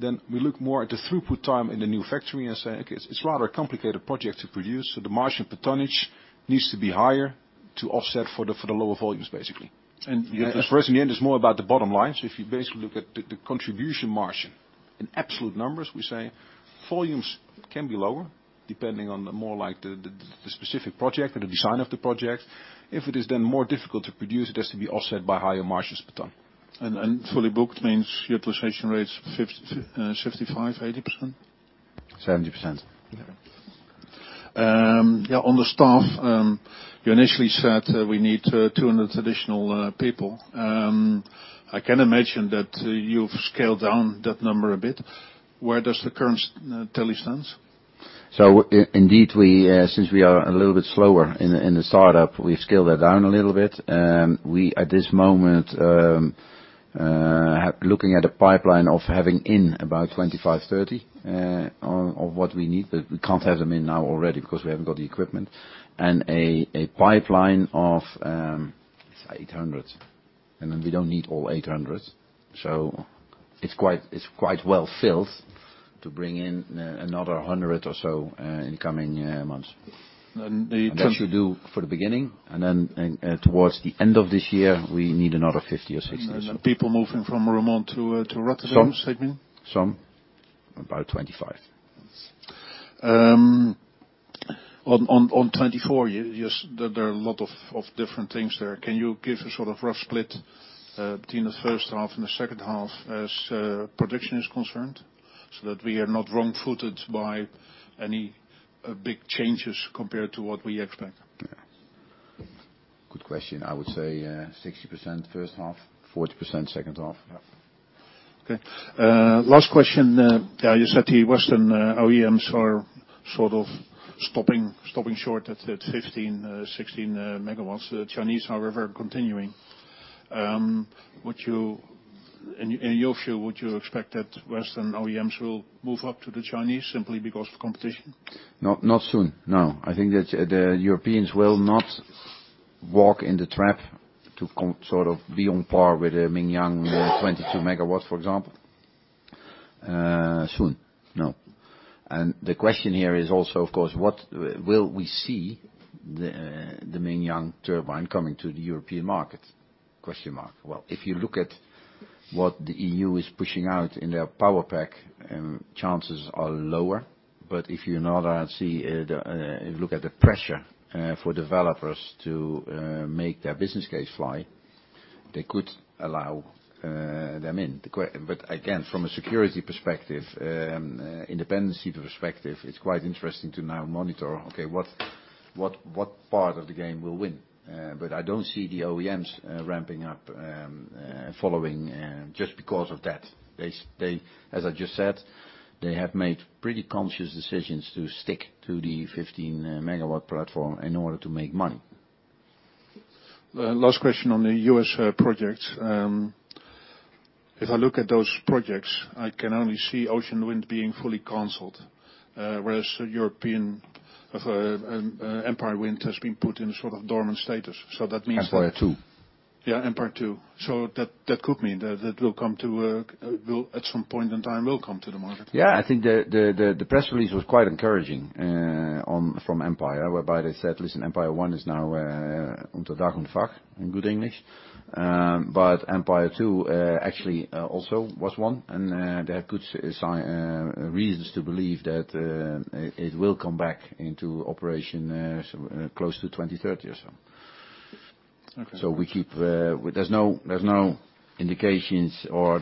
then we look more at the throughput time in the new factory and say, "Okay, it's, it's rather a complicated project to produce. So the margin per tonnage needs to be higher to offset for the lower volumes, basically. And you have to. As far as in the end, it's more about the bottom line. So if you basically look at the contribution margin in absolute numbers, we say volumes can be lower depending on, more like the specific project and the design of the project. If it is then more difficult to produce, it has to be offset by higher margins per ton. And fully booked means utilization rates 50%, 75%, 80%? 70%. Yeah. Yeah, on the staff, you initially said we need 200 additional people. I can imagine that you've scaled down that number a bit. Where does the current tally stand? So indeed, we, since we are a little bit slower in the startup, we've scaled that down a little bit. We at this moment have, looking at a pipeline of having in about 25-30 ton of what we need, but we can't have them in now already because we haven't got the equipment. And a pipeline of, it's 800. And then we don't need all 800. So it's quite well filled to bring in another 100 or so in the coming months. And that should do for the beginning. And then, towards the end of this year, we need another 50 or 60 or so. And people moving from Roermond to Rotterdam, you're saying? Some, some. About 25 on 2024, you just there are a lot of different things there. Can you give a sort of rough split between the first half and the second half as production is concerned so that we are not wrong-footed by any big changes compared to what we expect? Yeah. Good question. I would say 60% first half, 40% second half. Yeah. Okay. Last question. Yeah, you said the Western OEMs are sort of stopping short at 15MW, 16MW. The Chinese, however, are continuing. Would you, in your view, expect that Western OEMs will move up to the Chinese simply because of competition? Not soon. No. I think that the Europeans will not walk in the trap to sort of be on par with the Mingyang 22MW, for example, soon. No. And the question here is also, of course, what will we see the Mingyang turbine coming to the European market? Question mark. Well, if you look at what the EU is pushing out in their power pack, chances are lower. But if you're not, see, you look at the pressure for developers to make their business case fly, they could allow them in. But again, from a security perspective, independence perspective, it's quite interesting to now monitor, "Okay, what part of the game will win?" but I don't see the OEMs ramping up following just because of that. They as I just said, they have made pretty conscious decisions to stick to the 15MW platform in order to make money. Last question on the U.S. projects. If I look at those projects, I can only see Ocean Wind being fully canceled, whereas the European of Empire Wind has been put in a sort of dormant status. So that means that. Empire II. Yeah, Empire II. So that could mean that it will come to the market at some point in time. Yeah. I think the press release was quite encouraging from Empire whereby they said, "Listen, Empire I is now unter Dach und Fach in good English," but Empire II actually also was won. And they have good sound reasons to believe that it will come back into operation close to 2030 or so. Okay. So we keep; there's no indications or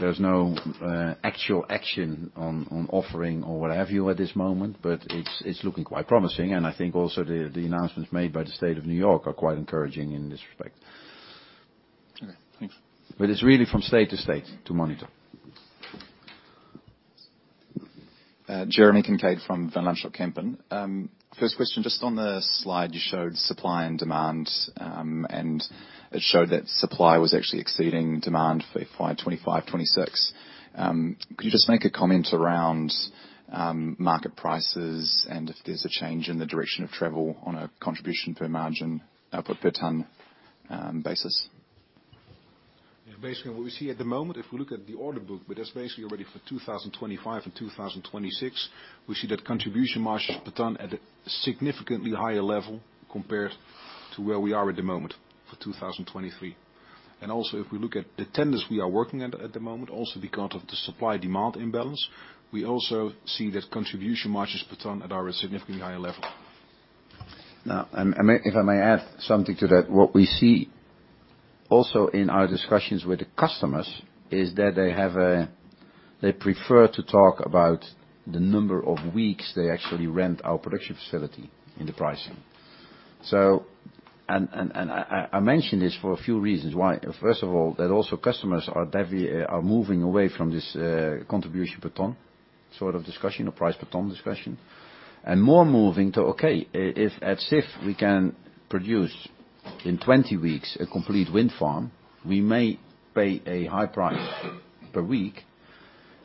actual action on offering or what have you at this moment. But it's looking quite promising. And I think also the announcements made by the state of New York are quite encouraging in this respect. Okay. Thanks. But it's really state to state to monitor. Jeremy Kincaid from Van Lanschot Kempen. First question, just on the slide, you showed supply and demand, and it showed that supply was actually exceeding demand for 2025, 2026. Could you just make a comment around market prices and if there's a change in the direction of travel on a contribution margin per ton basis? Yeah. Basically, what we see at the moment, if we look at the order book, but that's basically already for 2025 and 2026, we see that contribution margins per ton at a significantly higher level compared to where we are at the moment for 2023. And also, if we look at the tenders we are working at at the moment, also because of the supply-demand imbalance, we also see that contribution margins per ton are at a significantly higher level. Now, if I may add something to that, what we see also in our discussions with the customers is that they prefer to talk about the number of weeks they actually rent our production facility in the pricing. So, I mentioned this for a few reasons. Why? First of all, customers are also deviating from this contribution per ton sort of discussion or price per ton discussion and more moving to, "Okay, if at SIF we can produce in 20 weeks a complete wind farm, we may pay a high price per week.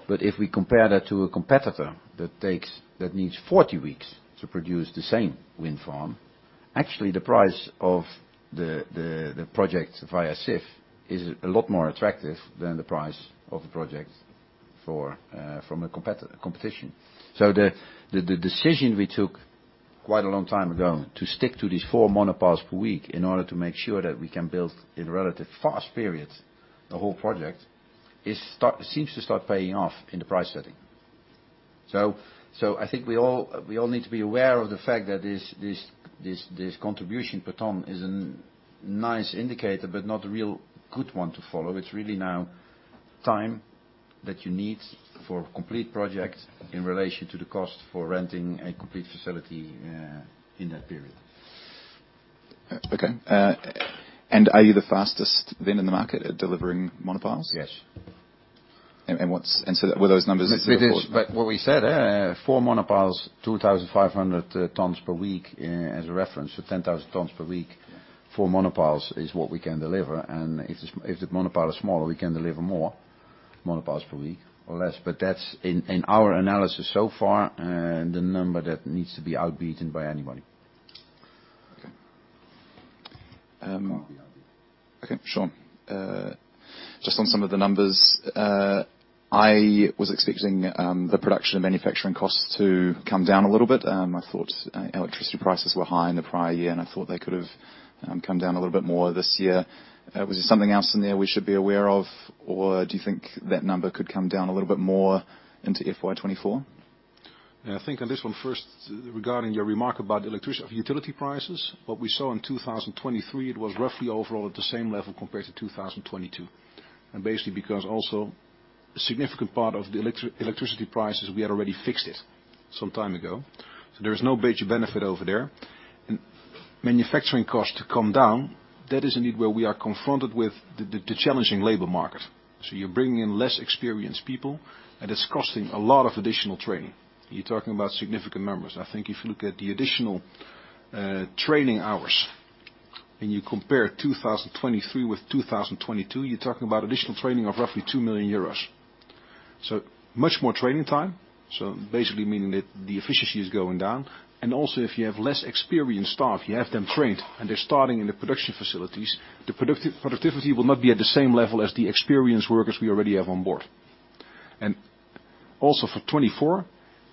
But if we compare that to a competitor that takes that needs 40 weeks to produce the same wind farm, actually, the price of the project via SIF is a lot more attractive than the price of the project from a competitor. So the decision we took quite a long time ago to stick to these four monopiles per week in order to make sure that we can build in a relatively fast period the whole project is starting to seem to start paying off in the price setting. So I think we all need to be aware of the fact that this contribution per ton is a nice indicator but not a really good one to follow. It's really now time that you need for complete projects in relation to the cost for renting a complete facility, in that period. Okay. Are you the fastest then in the market at delivering monopiles? Yes. And what's and so were those numbers so far? It is. But what we said, four monopiles, 2,500 tons per week, as a reference, so 10,000 tons per week, four monopiles is what we can deliver. And if the monopile is smaller, we can deliver more monopiles per week or less. But that's in our analysis so far, the number that needs to be outbeaten by anybody. Okay. Can't be outbeaten. Okay. Sean, just on some of the numbers, I was expecting the production and manufacturing costs to come down a little bit. I thought electricity prices were high in the prior year, and I thought they could have come down a little bit more this year. Was there something else in there we should be aware of, or do you think that number could come down a little bit more into FY2024? Yeah. I think on this one first, regarding your remark about electricity or utility prices, what we saw in 2023, it was roughly overall at the same level compared to 2022 and basically because also a significant part of the electricity prices, we had already fixed it some time ago. So there is no major benefit over there. And manufacturing costs to come down, that is indeed where we are confronted with the challenging labor market. So you're bringing in less experienced people, and it's costing a lot of additional training. You're talking about significant numbers. I think if you look at the additional training hours and you compare 2023 with 2022, you're talking about additional t raining of roughly 2 million euros. So much more training time, so basically meaning that the efficiency is going down. And also, if you have less experienced staff, you have them trained, and they're starting in the production facilities, the productivity productivity will not be at the same level as the experienced workers we already have on board. And also for 2024,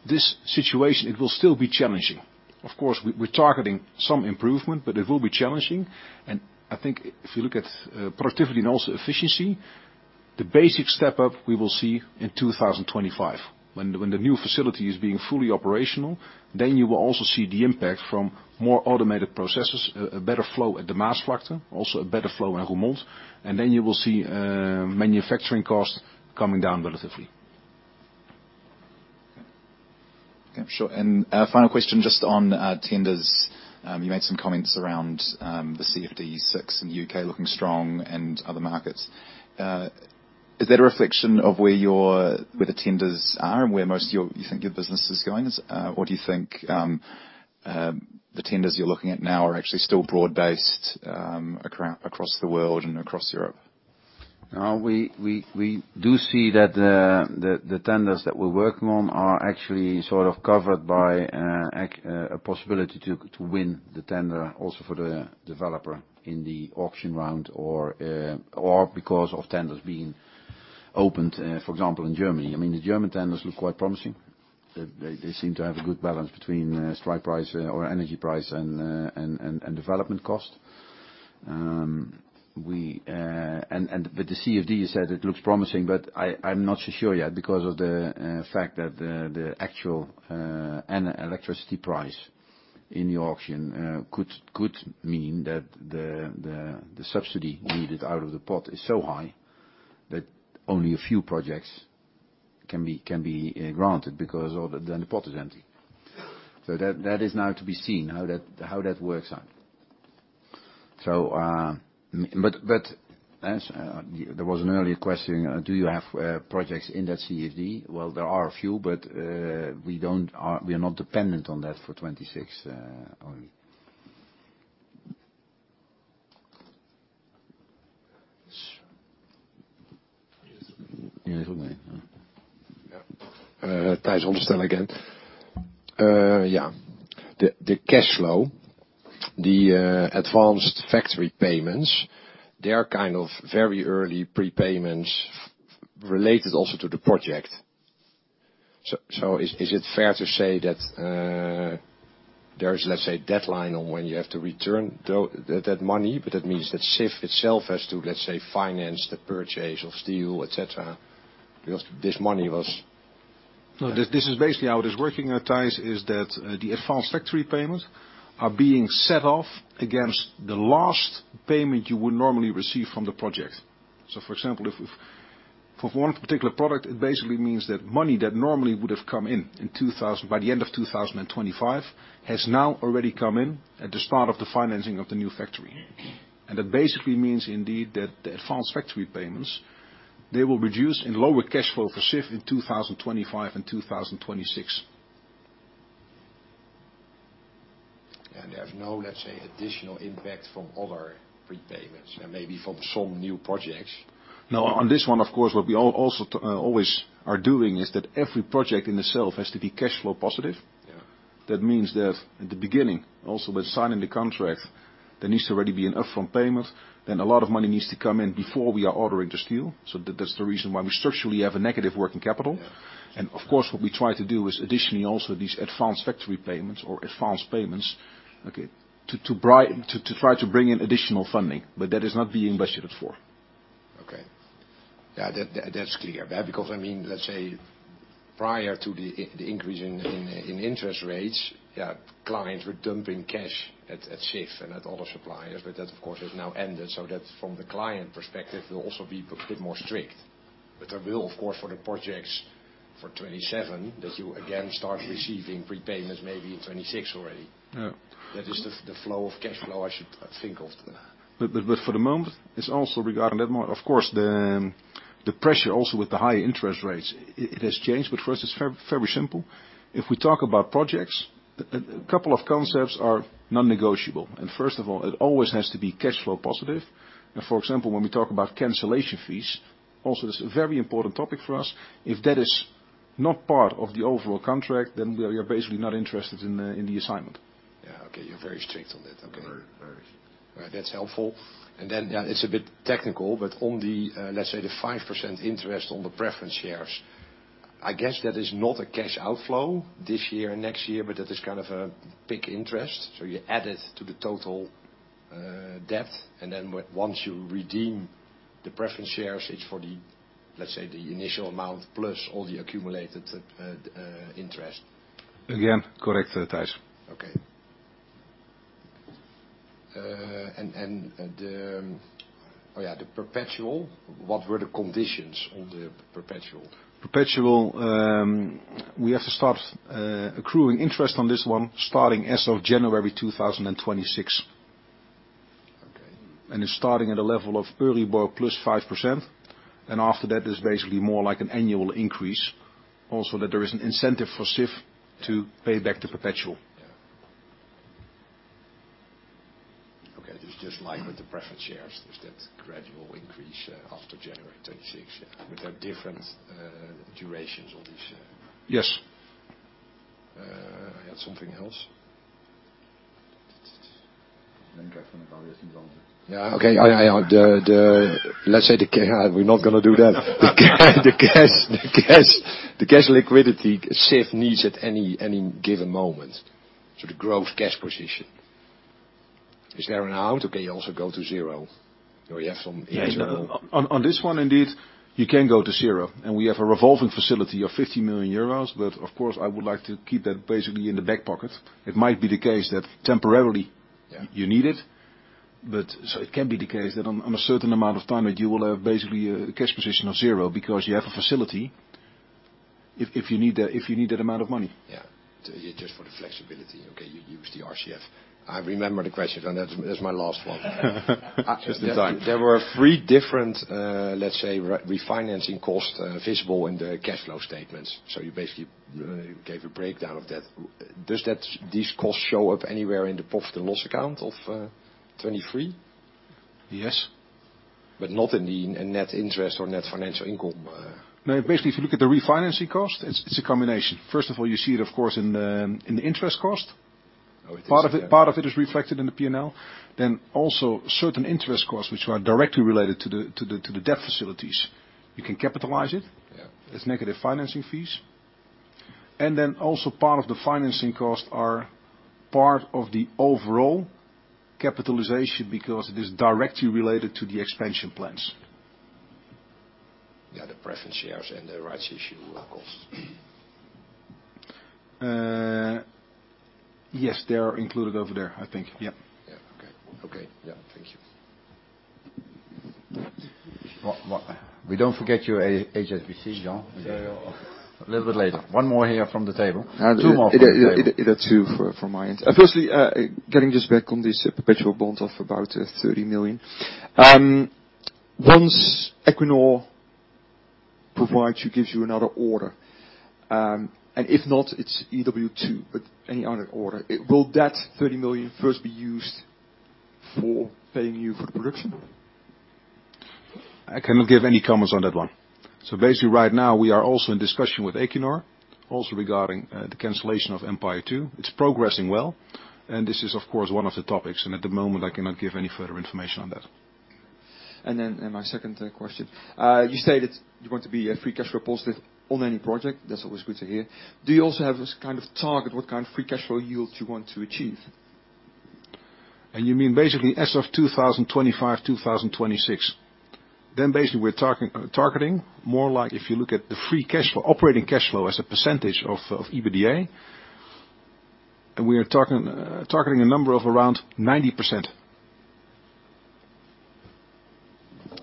this situation, it will still be challenging. Of course, we, we're targeting some improvement, but it will be challenging. And I think if you look at productivity and also efficiency, the basic step up we will see in 2025 when the new facility is being fully operational, then you will also see the impact from more automated processes, a better flow at the Maasvlakte, also a better flow in Roermond. And then you will see manufacturing costs coming down relatively. Okay. Okay. Sean, final question just on tenders. You made some comments around the CFD6 in the UK looking strong and other markets. Is that a reflection of where the tenders are and where most of your you think your business is going, or do you think the tenders you're looking at now are actually still broad-based across the world and across Europe? No, we do see that the tenders that we're working on are actually sort of covered by a possibility to win the tender also for the developer in the auction round or because of tenders being opened, for example, in Germany. I mean, the German tenders look quite promising. They seem to have a good balance between strike price, or energy price and development cost. And but the CFD, you said it looks promising, but I'm not so sure yet because of the fact that the actual an electricity price in the auction could mean that the subsidy needed out of the pot is so high that only a few projects can be granted because then the pot is empty. So that is now to be seen how that works out. So, but as there was an earlier question, do you have projects in that CFD? Well, there are a few, but we are not dependent on that for 2026 only. Sean. Yes. Yes. Okay. Yeah. Thijs, understand again. Yeah. The cash flow, the advanced factory payments, they're kind of very early prepayments related also to the project. So is it fair to say that there's, let's say, a deadline on when you have to return that money? But that means that SIF itself has to, let's say, finance the purchase of steel, etc., because this money was. No, this is basically how it is working. Thijs, is that, the advanced factory payments are being set off against the last payment you would normally receive from the project. So, for example, if, if for one particular product, it basically means that money that normally would have come in in 2000 by the end of 2025 has now already come in at the start of the financing of the new factory. And that basically means indeed that the advanced factory payments, they will reduce in lower cash flow for SIF in 2025 and 2026. And there's no, let's say, additional impact from other prepayments and maybe from some new projects? No, on this one, of course, what we all also always are doing is that every project in itself has to be cash flow positive. Yeah. That means that at the beginning, also when signing the contract, there needs to already be an upfront payment. Then a lot of money needs to come in before we are ordering the steel. So that's the reason why we structurally have a negative working capital. And of course, what we try to do is additionally also these advanced factory payments or advanced payments, okay, to try to bring in additional funding, but that is not being budgeted for. Okay. Yeah. That, that's clear, right? Because, I mean, let's say prior to the increase in interest rates, yeah, clients were dumping cash at SIF and at other suppliers, but that, of course, has now ended. So that from the client perspective, it will also be a bit more strict. But there will, of course, for the projects for 2027 that you again start receiving prepayments maybe in 2026 already. Yeah. That is the flow of cash flow I should think of. But for the moment, it's also regarding that of course, the pressure also with the high interest rates, it has changed. But first, it's very, very simple. If we talk about projects, a couple of concepts are non-negotiable. First of all, it always has to be cash flow positive. For example, when we talk about cancellation fees, also that's a very important topic for us. If that is not part of the overall contract, then we are basically not interested in the assignment. Yeah. Okay. You're very strict on that. Okay. Very, very strict. All right. That's helpful. And then, yeah, it's a bit technical, but on the, let's say, the 5% interest on the preference shares, I guess that is not a cash outflow this year and next year, but that is kind of a peak interest. So you add it to the total debt. And then once you redeem the preference shares, it's for the, let's say, the initial amount plus all the accumulated interest. Again, correct, Thijs. Okay. And the, oh yeah, the perpetual what were the conditions on the perpetual? Perpetual, we have to start accruing interest on this one starting as of January 2026. Okay. And it's starting at a level of Euribor plus 5%. And after that, there's basically more like an annual increase also that there is an incentive for SIF to pay back the perpetual. Yeah. Okay. Just like with the preference shares, there's that gradual increase after January 26, yeah, with the different durations on these. Yes. Yeah. Something else? Yeah. Okay. Let's say we're not going to do that. The cash liquidity SIF needs at any given moment, so the gross cash position, is there an amount? Okay. You also go to zero or you have some interval? Yeah. On this one, indeed, you can go to zero. And we have a revolving facility of 50 million euros, but of course, I would like to keep that basically in the back pocket. It might be the case that temporarily you need it, but so it can be the case that on a certain amount of time, that you will have basically a cash position of zero because you have a facility if you need that amount of money. Yeah. Just for the flexibility. Okay. You use the RCF. I remember the question, and that's my last one. Just in time. There were three different, let's say, refinancing costs, visible in the cash flow statements. So you basically gave a breakdown of that. Do these costs show up anywhere in the profit and loss account of 2023? Yes. But not in the net interest or net financial income. No. Basically, if you look at the refinancing cost, it's a combination. First of all, you see it, of course, in the interest cost. Oh, it is. Part of it is reflected in the P&L. Then also certain interest costs which are directly related to the debt facilities. You can capitalize it. Yeah. As negative financing fees. And then also part of the financing costs are part of the later capitalization because it is directly related to the expansion plans. Yeah. The preference shares and the rights issue costs. Yes. They are included over there, I think. Yeah. Yeah. Okay. Okay. Yeah. Thank you. What, what we don't forget your HSBC, Sean. A little bit later. One more here from the table. Two more. Either two for my end. Firstly, just getting back on this perpetual bond of about 30 million. Once Equinor provides or gives you another order, and if not, it's EW2, but any other order, will that 30 million first be used for paying you for the production? I cannot give any comments on that one. So basically, right now, we are also in discussion with Equinor regarding the cancellation of Empire Wind 2. It's progressing well, and this is, of course, one of the topics. And at the moment, I cannot give any further information on that. And then my second question. You stated you want to be free cash flow positive on any project. That's always good to hear. Do you also have a kind of target what kind of free cash flow yield you want to achieve? And you mean basically as of 2025, 2026. Basically, we're talking targeting more like if you look at the free cash flow operating cash flow as a percentage of EBITDA, and we are talking targeting a number of around 90%.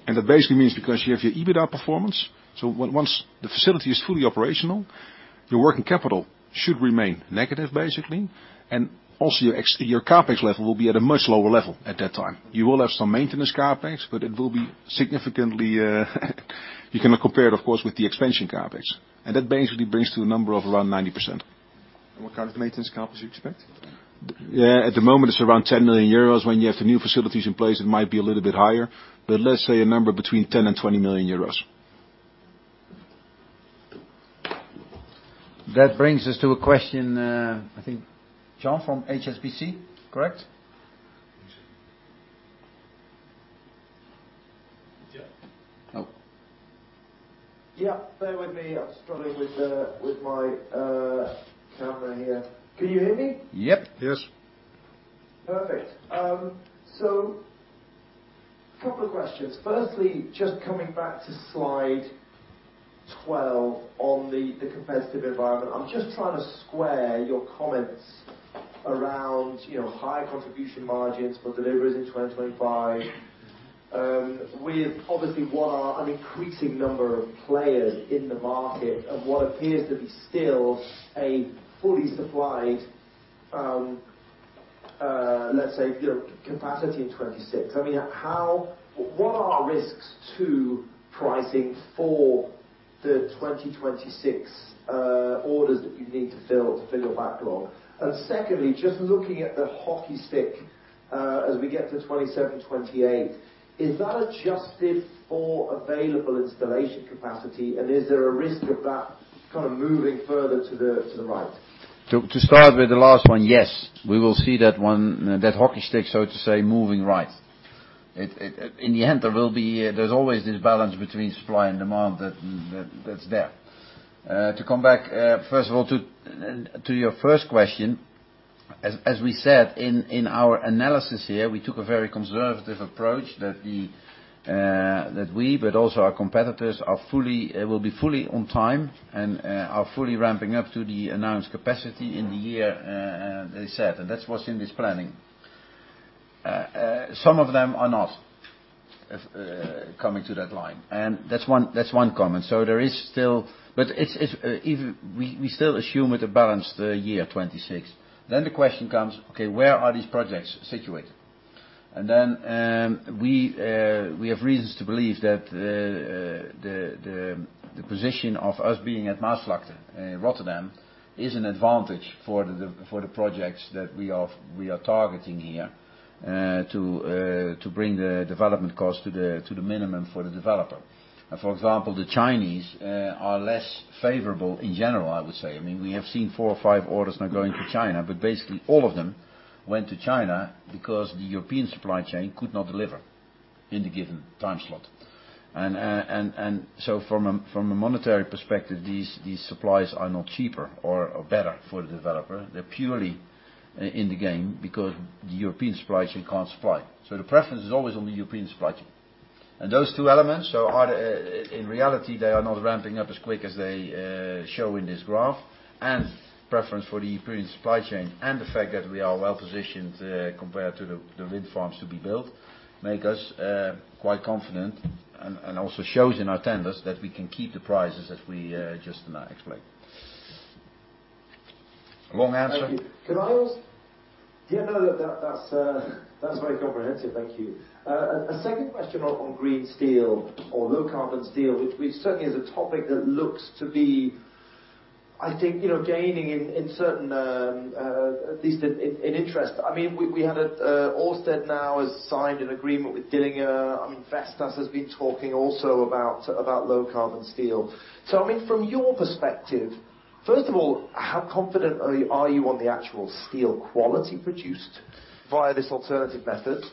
And that basically means because you have your EBITDA performance, so once the facility is fully operational, your working capital should remain negative, basically. Also, your CapEx level will be at a much lower level at that time. You will have some maintenance CapEx, but it will be significantly, you cannot compare it, of course, with the expansion CapEx. And that basically brings to a number of around 90%. And what kind of maintenance CapEx do you expect? Yeah. At the moment, it's around 10 million euros. When you have the new facilities in place, it might be a little bit higher, but let's say a number between 10 million and 20 million euros. That brings us to a question, I think, Sean, from HSBC, correct? Yeah. Oh. Yeah. Bear with me. I'm struggling with, with my, camera here. Can you hear me? Yep. Yes. Perfect. So a couple of questions. Firstly, just coming back to slide 12 on the, the competitive environment, I'm just trying to square your comments around, you know, high contribution margins for deliveries in 2025, with obviously what are an increasing number of players in the market and what appears to be still a fully supplied, let's say, you know, capacity in 2026. I mean, how what are risks to pricing for the 2026 orders that you need to fill to fill your backlog? And secondly, just looking at the hockey stick, as we get to 27, 28, is that adjusted for available installation capacity, and is there a risk of that kind of moving further to the right? To start with the last one, yes. We will see that hockey stick, so to say, moving right. In the end, there will be; there's always this balance between supply and demand that's there. To come back, first of all, to your first question, as we said in our analysis here, we took a very conservative approach that we, but also our competitors, will be fully on time and are fully ramping up to the announced capacity in the year they said. And that's what's in this planning. Some of them are not coming to that line. That's one comment. So there is still, but it's even. We still assume it's a balanced year, 2026. Then the question comes, okay, where are these projects situated? We have reasons to believe that the position of us being at Maasvlakte, Rotterdam, is an advantage for the projects that we are targeting here, to bring the development cost to the minimum for the developer. For example, the Chinese are less favorable in general, I would say. I mean, we have seen four or five orders now going to China, but basically, all of them went to China because the European supply chain could not deliver in the given time slot. So from a monetary perspective, these supplies are not cheaper or better for the developer. They're purely in the game because the European supply chain can't supply. So the preference is always on the European supply chain. And those two elements, so are they in reality not ramping up as quick as they show in this graph. And preference for the European supply chain and the fact that we are well-positioned compared to the wind farms to be built make us quite confident and also shows in our tenders that we can keep the prices that we just now explained. Long answer. Thank you. No, no, that's very comprehensive. Thank you. A second question on green steel or low-carbon steel, which certainly is a topic that looks to be, I think, you know, gaining in certain, at least in interest. I mean, we had a, Ørsted now has signed an agreement with Dillinger. I mean, Vestas has been talking also about low-carbon steel. So, I mean, from your perspective, first of all, how confident are you on the actual steel quality produced via this alternative method?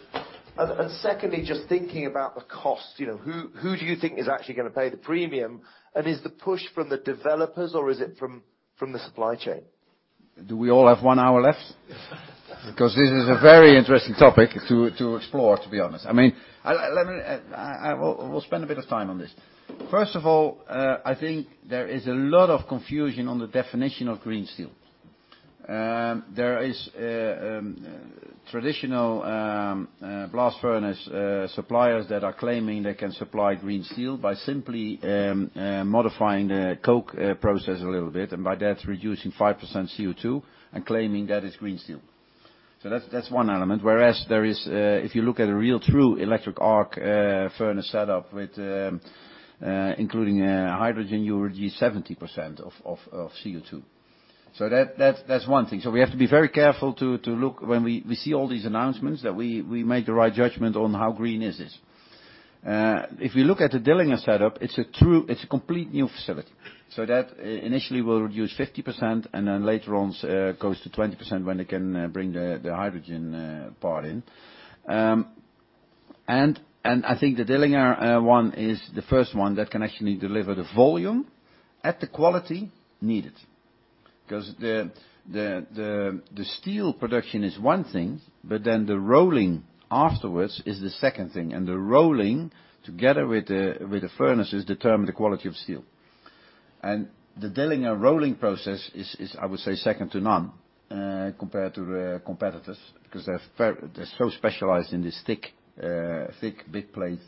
And secondly, just thinking about the cost, you know, who do you think is actually going to pay the premium, and is the push from the developers or is it from the supply chain? Do we all have one hour left? Because this is a very interesting topic to explore, to be honest. I mean, let me, we'll spend a bit of time on this. First of all, I think there is a lot of confusion on the definition of green steel. There is traditional blast furnace suppliers that are claiming they can supply green steel by simply modifying the coke process a little bit and by that reducing 5% CO2 and claiming that is green steel. So that's one element. Whereas, if you look at a real true electric arc furnace setup including hydrogen, you will reduce 70% of CO2. So that's one thing. So we have to be very careful to look when we see all these announcements that we make the right judgment on how green is this. If we look at the Dillinger setup, it's a true complete new facility. So that initially will reduce 50% and then later on goes to 20% when they can bring the hydrogen part in. I think the Dillinger one is the first one that can actually deliver the volume at the quality needed. Because the steel production is one thing, but then the rolling afterwards is the second thing. And the rolling together with the furnaces determine the quality of steel. And the Dillinger rolling process is, I would say, second to none, compared to the competitors because they're so specialized in this thick big plate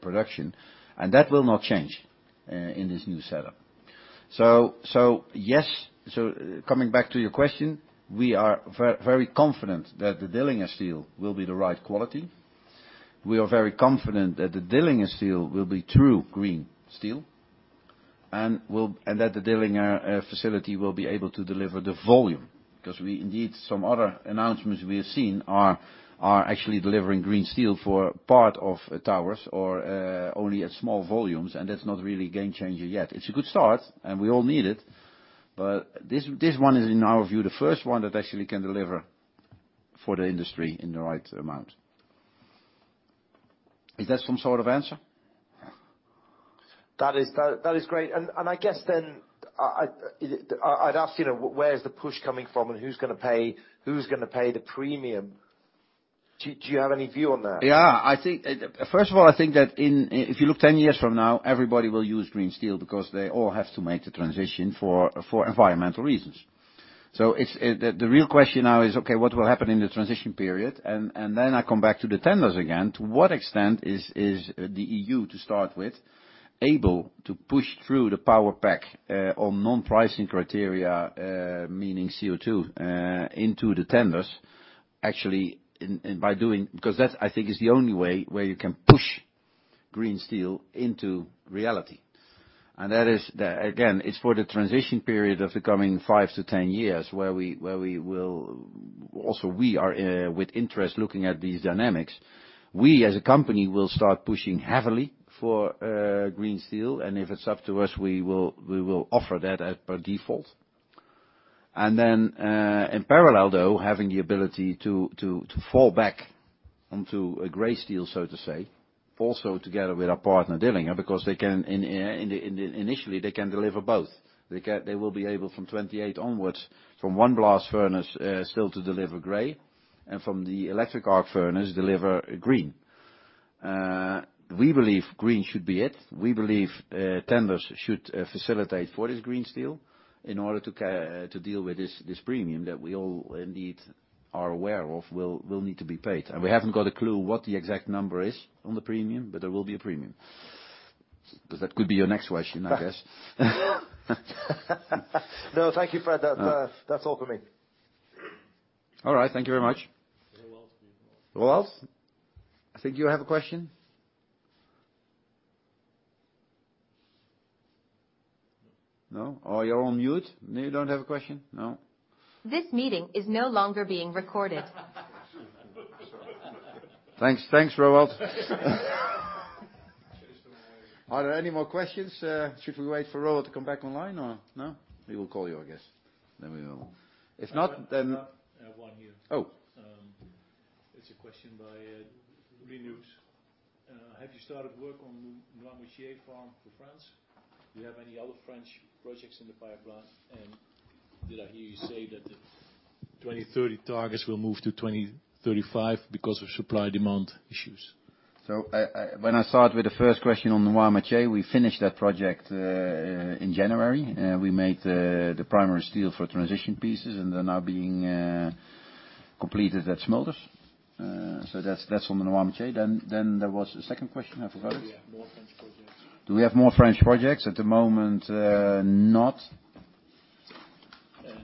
production. And that will not change, in this new setup. So yes. So coming back to your question, we are very confident that the Dillinger steel will be the right quality. We are very confident that the Dillinger steel will be true green steel and that the Dillinger facility will be able to deliver the volume. Because we, indeed, some other announcements we have seen are actually delivering green steel for part of towers or only at small volumes, and that's not really a game changer yet. It's a good start, and we all need it. But this one is, in our view, the first one that actually can deliver for the industry in the right amount. Is that some sort of answer? That is great. And I guess then I'd ask, you know, where is the push coming from and who's going to pay the premium? Do you have any view on that? Yeah. I think first of all, I think that if you look 10 years from now, everybody will use green steel because they all have to make the transition for environmental reasons. So it's the real question now is, okay, what will happen in the transition period? And then I come back to the tenders again. To what extent is the EU, to start with, able to push through the power pack, on non-pricing criteria, meaning CO2, into the tenders actually in by doing because that, I think, is the only way where you can push green steel into reality. And that is again, it's for the transition period of the coming 5-10 years where we will also, we are with interest looking at these dynamics. We, as a company, will start pushing heavily for green steel, and if it's up to us, we will offer that as per default. In parallel, though, having the ability to fall back onto a gray steel, so to say, also together with our partner Dillinger because they can initially deliver both. They will be able from 2028 onwards from one blast furnace still to deliver gray and from the electric arc furnace deliver green. We believe green should be it. We believe tenders should facilitate for this green steel in order to deal with this premium that we all, indeed, are aware of will need to be paid. And we haven't got a clue what the exact number is on the premium, but there will be a premium. Because that could be your next question, I guess. No, thank you, Fred. That's all for me. All right. Thank you very much. You're welcome. Well, I think you have a question? No? Or you're on mute and you don't have a question? No? This meeting is no longer being recorded. Thanks. Thanks, Roald. Are there any more questions? Should we wait for Roald to come back online or no? We will call you, I guess. Then we will. If not, then. I have one here. Oh. It's a question by reNEWS. Have you started work on Noirmoutier farm for France? Do you have any other French projects in the pipeline? And did I hear you say that the 2030 targets will move to 2035 because of supply-demand issues? So I, when I start with the first question on Noirmoutier, we finished that project in January. We made the primary steel for transition pieces and they're now being completed at Smulders. So that's on the Noirmoutier. Then there was a second question. I forgot it. Do we have more French projects? Do we have more French projects? At the moment, not. And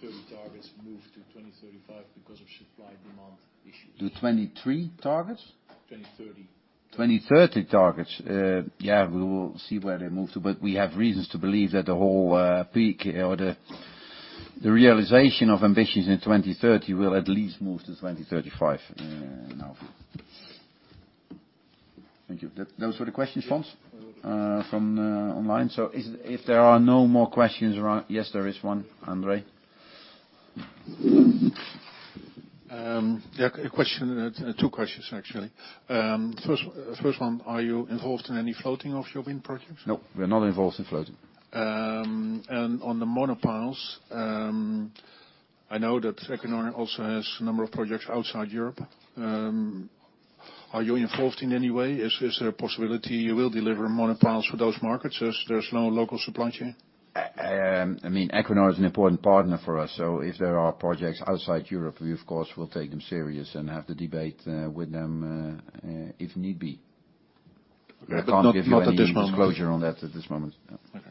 do 2030 targets move to 2035 because of supply-demand issues? Do 2023 targets? 2030. 2030 targets. Yeah, we will see where they move to, but we have reasons to believe that the whole, peak or the, the realization of ambitions in 2030 will at least move to 2035, in our view. Thank you. Those were the questions, Sean, from, online. So is it if there are no more questions around yes, there is one, André. Yeah, a question two questions, actually. First, first one, are you involved in any floating of your wind projects? Nope. We're not involved in floating. And on the monopiles, I know that Equinor also has a number of projects outside Europe. Are you involved in any way? Is there a possibility you will deliver monopiles for those markets as there's no local supply chain? I mean, Equinor is an important partner for us, so if there are projects outside Europe, we, of course, will take them serious and have the debate with them, if need be. I can't give any disclosure on that at this moment. Okay.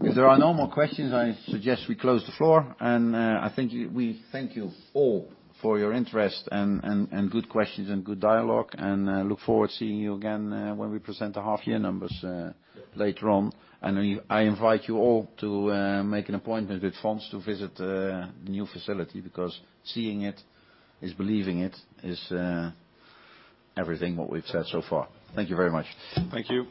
If there are no more questions, I suggest we close the floor. I think we thank you all for your interest and good questions and good dialogue. Look forward to seeing you again, when we present the half-year numbers, later on. I invite you all to make an appointment with Sean to visit the new facility because seeing it is believing it is everything what we've said so far. Thank you very much. Thank you.